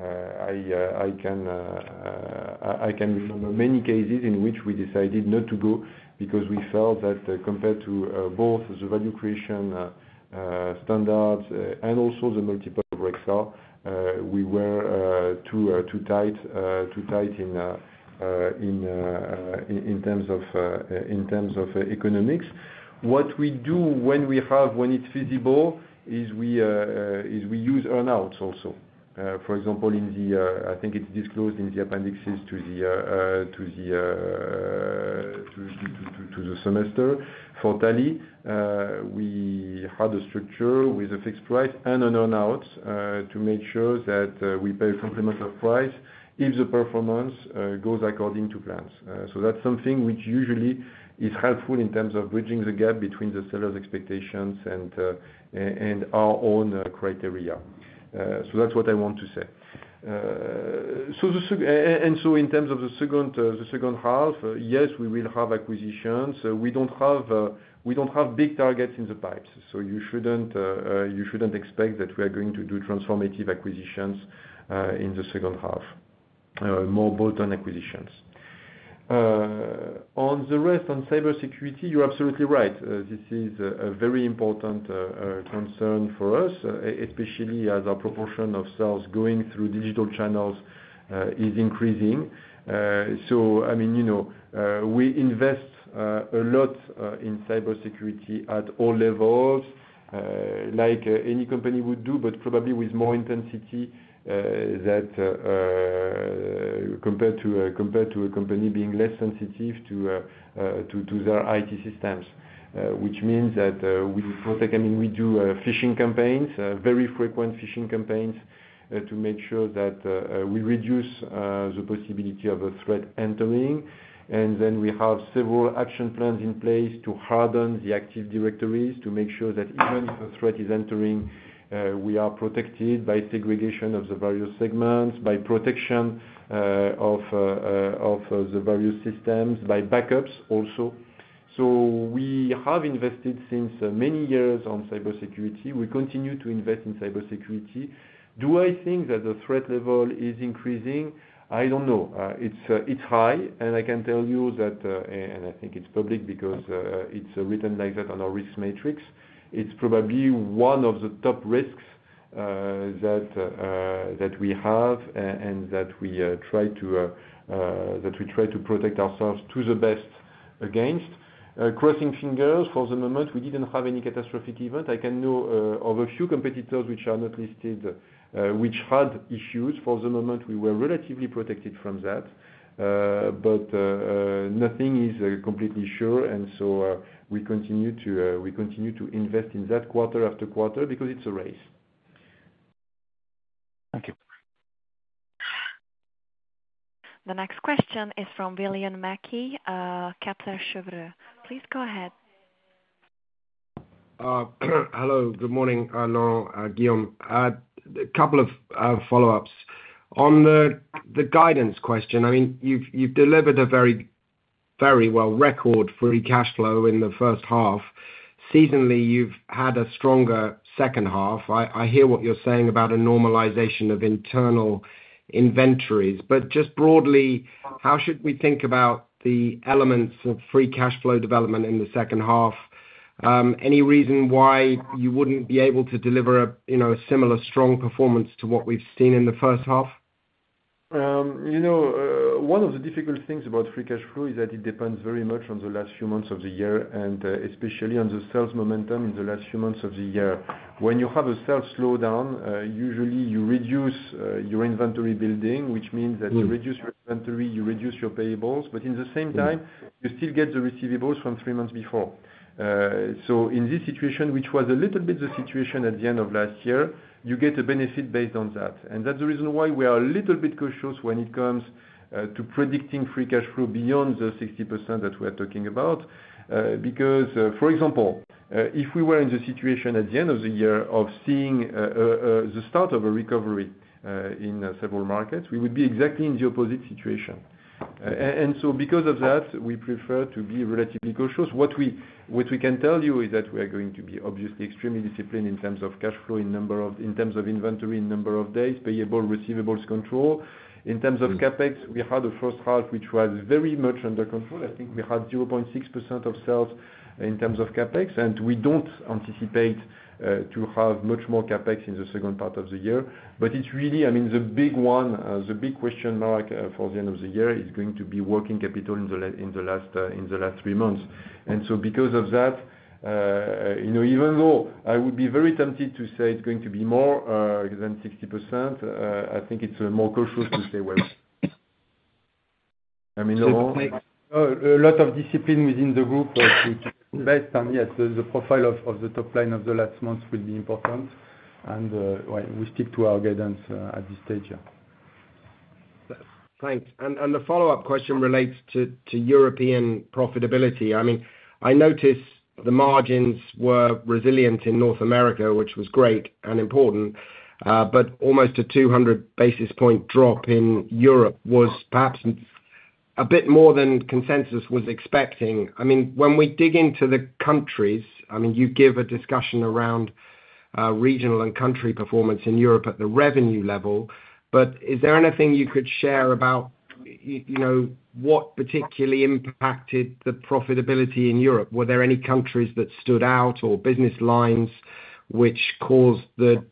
I can remember many cases in which we decided not to go because we felt that compared to both the value creation standards and also the multiple breaks out, we were too tight in terms of economics. What we do when it's feasible is we use earn-outs also. For example, I think it's disclosed in the appendices to the semester for Tally. We had a structure with a fixed price and an earn-out to make sure that we pay a complement of price if the performance goes according to plans. So that's something which usually is helpful in terms of bridging the gap between the seller's expectations and our own criteria. So that's what I want to say. So in terms of the second half, yes, we will have acquisitions. We don't have big targets in the pipes. So you shouldn't expect that we are going to do transformative acquisitions in the second half, more bolt-on acquisitions. On the rest, on cybersecurity, you're absolutely right. This is a very important concern for us, especially as our proportion of sales going through digital channels is increasing. So, I mean, we invest a lot in cybersecurity at all levels, like any company would do, but probably with more intensity compared to a company being less sensitive to their IT systems, which means that we protect, I mean, we do phishing campaigns, very frequent phishing campaigns to make sure that we reduce the possibility of a threat entering. And then we have several action plans in place to harden the active directories to make sure that even if a threat is entering, we are protected by segregation of the various segments, by protection of the various systems, by backups also. So we have invested since many years on cybersecurity. We continue to invest in cybersecurity. Do I think that the threat level is increasing? I don't know. It's high. And I can tell you that, and I think it's public because it's written like that on our risk matrix, it's probably one of the top risks that we have and that we try to protect ourselves to the best against. Crossing fingers, for the moment, we didn't have any catastrophic event. I can know of a few competitors which are not listed which had issues. For the moment, we were relatively protected from that. But nothing is completely sure. And so we continue to invest in that quarter-after-quarter because it's a race. Thank you. The next question is from William Mackie, Kepler Cheuvreux. Please go ahead. Hello. Good morning, Laurent, Guillaume. A couple of follow-ups. On the guidance question, I mean, you've delivered a very well-recorded free cash flow in the first half. Seasonally, you've had a stronger second half. I hear what you're saying about a normalization of internal inventories. But just broadly, how should we think about the elements of free cash flow development in the second half? Any reason why you wouldn't be able to deliver a similar strong performance to what we've seen in the first half? One of the difficult things about free cash flow is that it depends very much on the last few months of the year and especially on the sales momentum in the last few months of the year. When you have a sales slowdown, usually you reduce your inventory building, which means that you reduce your inventory, you reduce your payables. But at the same time, you still get the receivables from three months before. So in this situation, which was a little bit the situation at the end of last year, you get a benefit based on that. That's the reason why we are a little bit cautious when it comes to predicting free cash flow beyond the 60% that we are talking about. Because, for example, if we were in the situation at the end of the year of seeing the start of a recovery in several markets, we would be exactly in the opposite situation. And so because of that, we prefer to be relatively cautious. What we can tell you is that we are going to be obviously extremely disciplined in terms of cash flow in terms of inventory in number of days, payable receivables control. In terms of CapEx, we had a first half which was very much under control. I think we had 0.6% of sales in terms of CapEx. And we don't anticipate to have much more CapEx in the second part of the year. But it's really, I mean, the big one, the big question mark for the end of the year is going to be working capital in the last three months. And so because of that, even though I would be very tempted to say it's going to be more than 60%, I think it's more cautious to say, "Well." I mean, Laurent. A lot of discipline within the group to base, and yes, the profile of the top line of the last month will be important. And we stick to our guidance at this stage here. Thanks. And the follow-up question relates to European profitability. I mean, I noticed the margins were resilient in North America, which was great and important. But almost a 200 basis points drop in Europe was perhaps a bit more than consensus was expecting. I mean, when we dig into the countries, I mean, you give a discussion around regional and country performance in Europe at the revenue level. But is there anything you could share about what particularly impacted the profitability in Europe? Were there any countries that stood out or business lines which caused the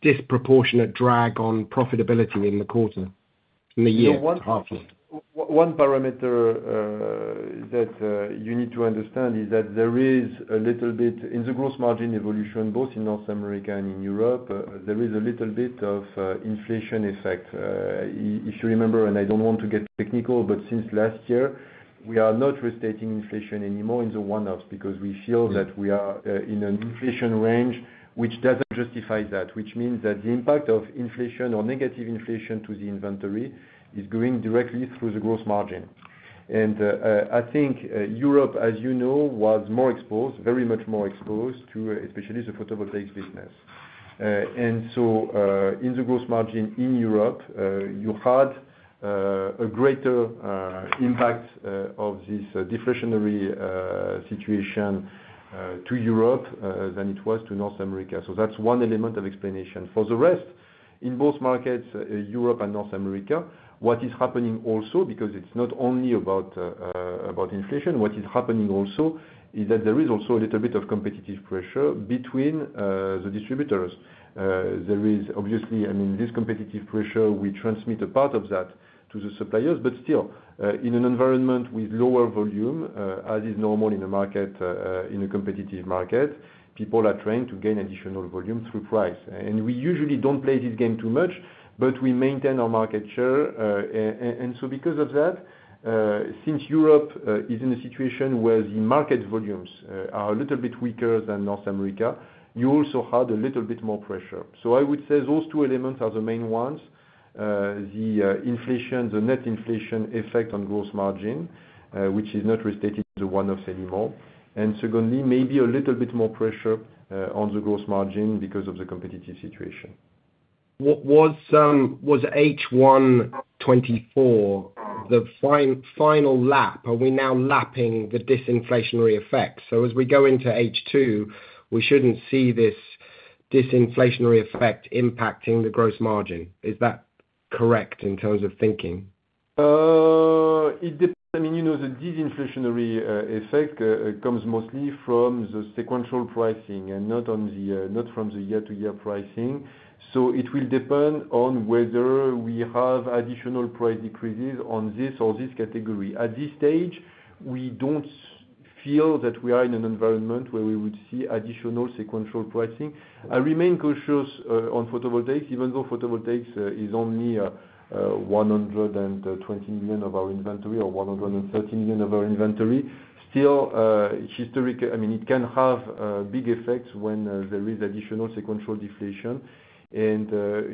disproportionate drag on profitability in the quarter, in the year and half? One parameter that you need to understand is that there is a little bit in the gross margin evolution, both in North America and in Europe, there is a little bit of inflation effect. If you remember, and I don't want to get technical, but since last year, we are not restating inflation anymore in the one-offs because we feel that we are in an inflation range which doesn't justify that, which means that the impact of inflation or negative inflation to the inventory is going directly through the gross margin. I think Europe, as you know, was more exposed, very much more exposed to especially the photovoltaics business. So in the gross margin in Europe, you had a greater impact of this deflationary situation to Europe than it was to North America. So that's one element of explanation. For the rest, in both markets, Europe and North America, what is happening also, because it's not only about inflation, what is happening also is that there is also a little bit of competitive pressure between the distributors. There is obviously, I mean, this competitive pressure. We transmit a part of that to the suppliers. But still, in an environment with lower volume, as is normal in a competitive market, people are trying to gain additional volume through price. And we usually don't play this game too much, but we maintain our market share. And so because of that, since Europe is in a situation where the market volumes are a little bit weaker than North America, you also had a little bit more pressure. So I would say those two elements are the main ones: the inflation, the net inflation effect on gross margin, which is not restating the one-offs anymore. And secondly, maybe a little bit more pressure on the gross margin because of the competitive situation. Was H1 2024 the final lap? Are we now lapping the disinflationary effect? So as we go into H2, we shouldn't see this disinflationary effect impacting the gross margin. Is that correct in terms of thinking? It depends. I mean, the disinflationary effect comes mostly from the sequential pricing and not from the year-to-year pricing. So it will depend on whether we have additional price decreases on this or this category. At this stage, we don't feel that we are in an environment where we would see additional sequential pricing. I remain cautious on photovoltaics, even though photovoltaics is only 120 million of our inventory or 130 million of our inventory. Still, historically, I mean, it can have big effects when there is additional sequential deflation. And the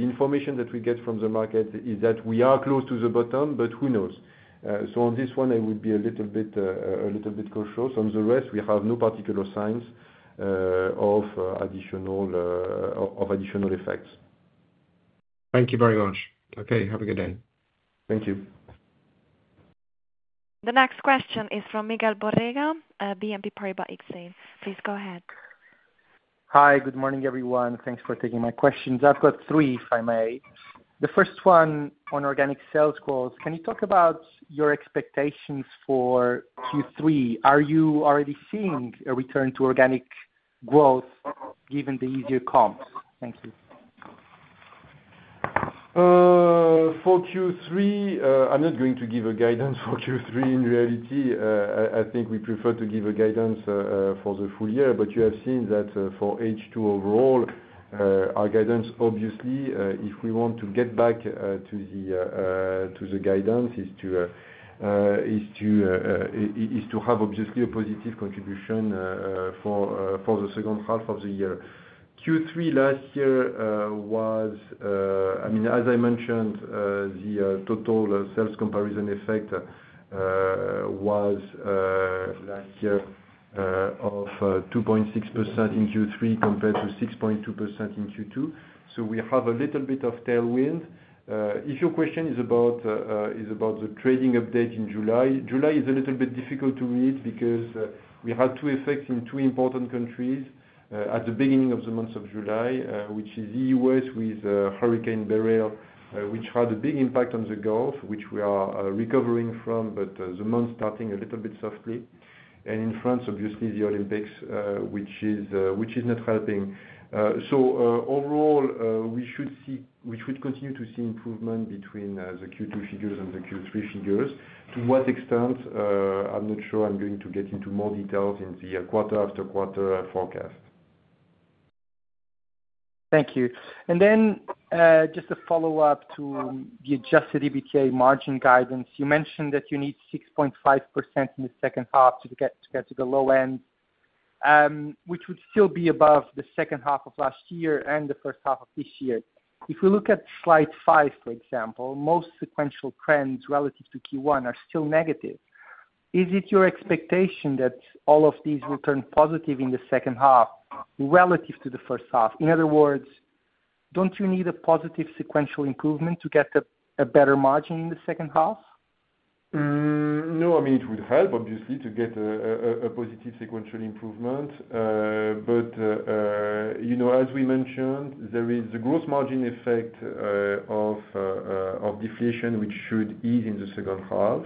information that we get from the market is that we are close to the bottom, but who knows? So on this one, I would be a little bit cautious. On the rest, we have no particular signs of additional effects. Thank you very much. Okay. Have a good day. Thank you. The next question is from Miguel Borrega, BNP Paribas Exane. Please go ahead. Hi. Good morning, everyone. Thanks for taking my questions. I've got three, if I may. The first one on organic sales growth. Can you talk about your expectations for Q3? Are you already seeing a return to organic growth given the easier comps? Thank you. For Q3, I'm not going to give a guidance for Q3. In reality, I think we prefer to give a guidance for the full year. But you have seen that for H2 overall, our guidance, obviously, if we want to get back to the guidance, is to have obviously a positive contribution for the second half of the year. Q3 last year was, I mean, as I mentioned, the total sales comparison effect was last year of 2.6% in Q3 compared to 6.2% in Q2. So we have a little bit of tailwind. If your question is about the trading update in July, July is a little bit difficult to read because we had two effects in two important countries at the beginning of the month of July, which is the U.S. with Hurricane Beryl, which had a big impact on the Gulf, which we are recovering from, but the month starting a little bit softly. And in France, obviously, the Olympics, which is not helping. So overall, we should continue to see improvement between the Q2 figures and the Q3 figures. To what extent, I'm not sure. I'm going to get into more details in the quarter-after-quarter forecast. Thank you. Then just a follow-up to the Adjusted EBITDA margin guidance. You mentioned that you need 6.5% in the second half to get to the low end, which would still be above the second half of last year and the first half of this year. If we look at slide 5, for example, most sequential trends relative to Q1 are still negative. Is it your expectation that all of these will turn positive in the second half relative to the first half? In other words, don't you need a positive sequential improvement to get a better margin in the second half? No. I mean, it would help, obviously, to get a positive sequential improvement. But as we mentioned, there is a gross margin effect of deflation, which should ease in the second half.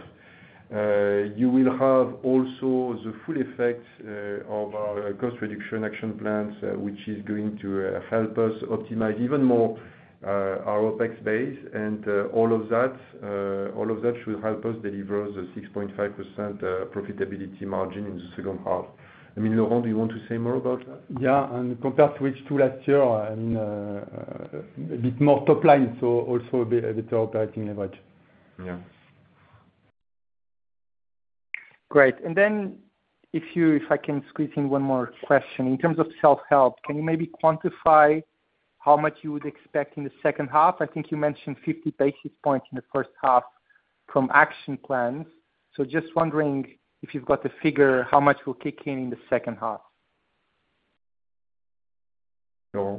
You will have also the full effect of cost reduction action plans, which is going to help us optimize even more our OPEX base. And all of that should help us deliver the 6.5% profitability margin in the second half. I mean, Laurent, do you want to say more about that? Yeah. And compared to H2 last year, I mean, a bit more top line, so also a bit of operating leverage. Yeah. Great. And then if I can squeeze in one more question, in terms of self-help, can you maybe quantify how much you would expect in the second half? I think you mentioned 50 basis points in the first half from action plans. So just wondering if you've got the figure, how much will kick in in the second half? Yeah.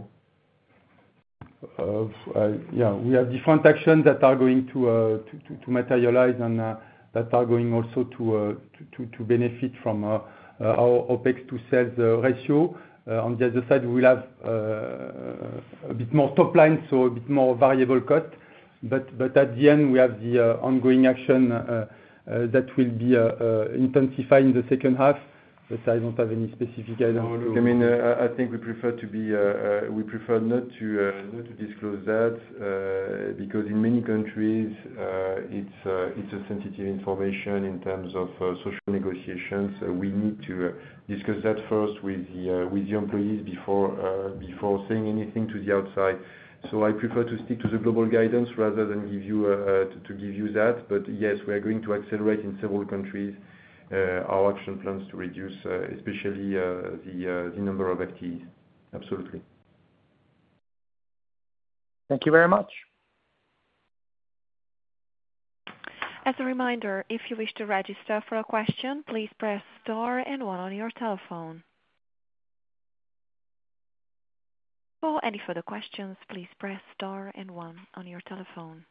We have different actions that are going to materialize and that are going also to benefit from our OPEX to sales ratio. On the other side, we'll have a bit more top line, so a bit more variable cost. But at the end, we have the ongoing action that will be intensified in the second half. But I don't have any specific guidance. I mean, I think we prefer not to disclose that because in many countries, it's a sensitive information in terms of social negotiations. We need to discuss that first with the employees before saying anything to the outside. So I prefer to stick to the global guidance rather than to give you that. But yes, we are going to accelerate in several countries our action plans to reduce especially the number of FTEs. Absolutely. Thank you very much. As a reminder, if you wish to register for a question, please press star and one on your telephone. For any further questions, please press star and one on your telephone.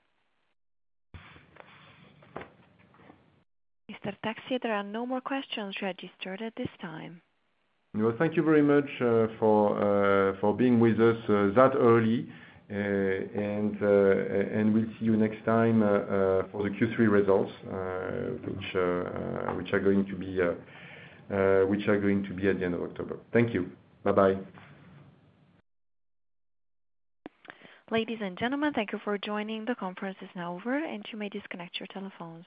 Mr. Texier, there are no more questions registered at this time. Thank you very much for being with us that early. And we'll see you next time for the Q3 results, which are going to be at the end of October. Thank you. Bye-bye. Ladies and gentlemen, thank you for joining. The conference is now over, and you may disconnect your telephones.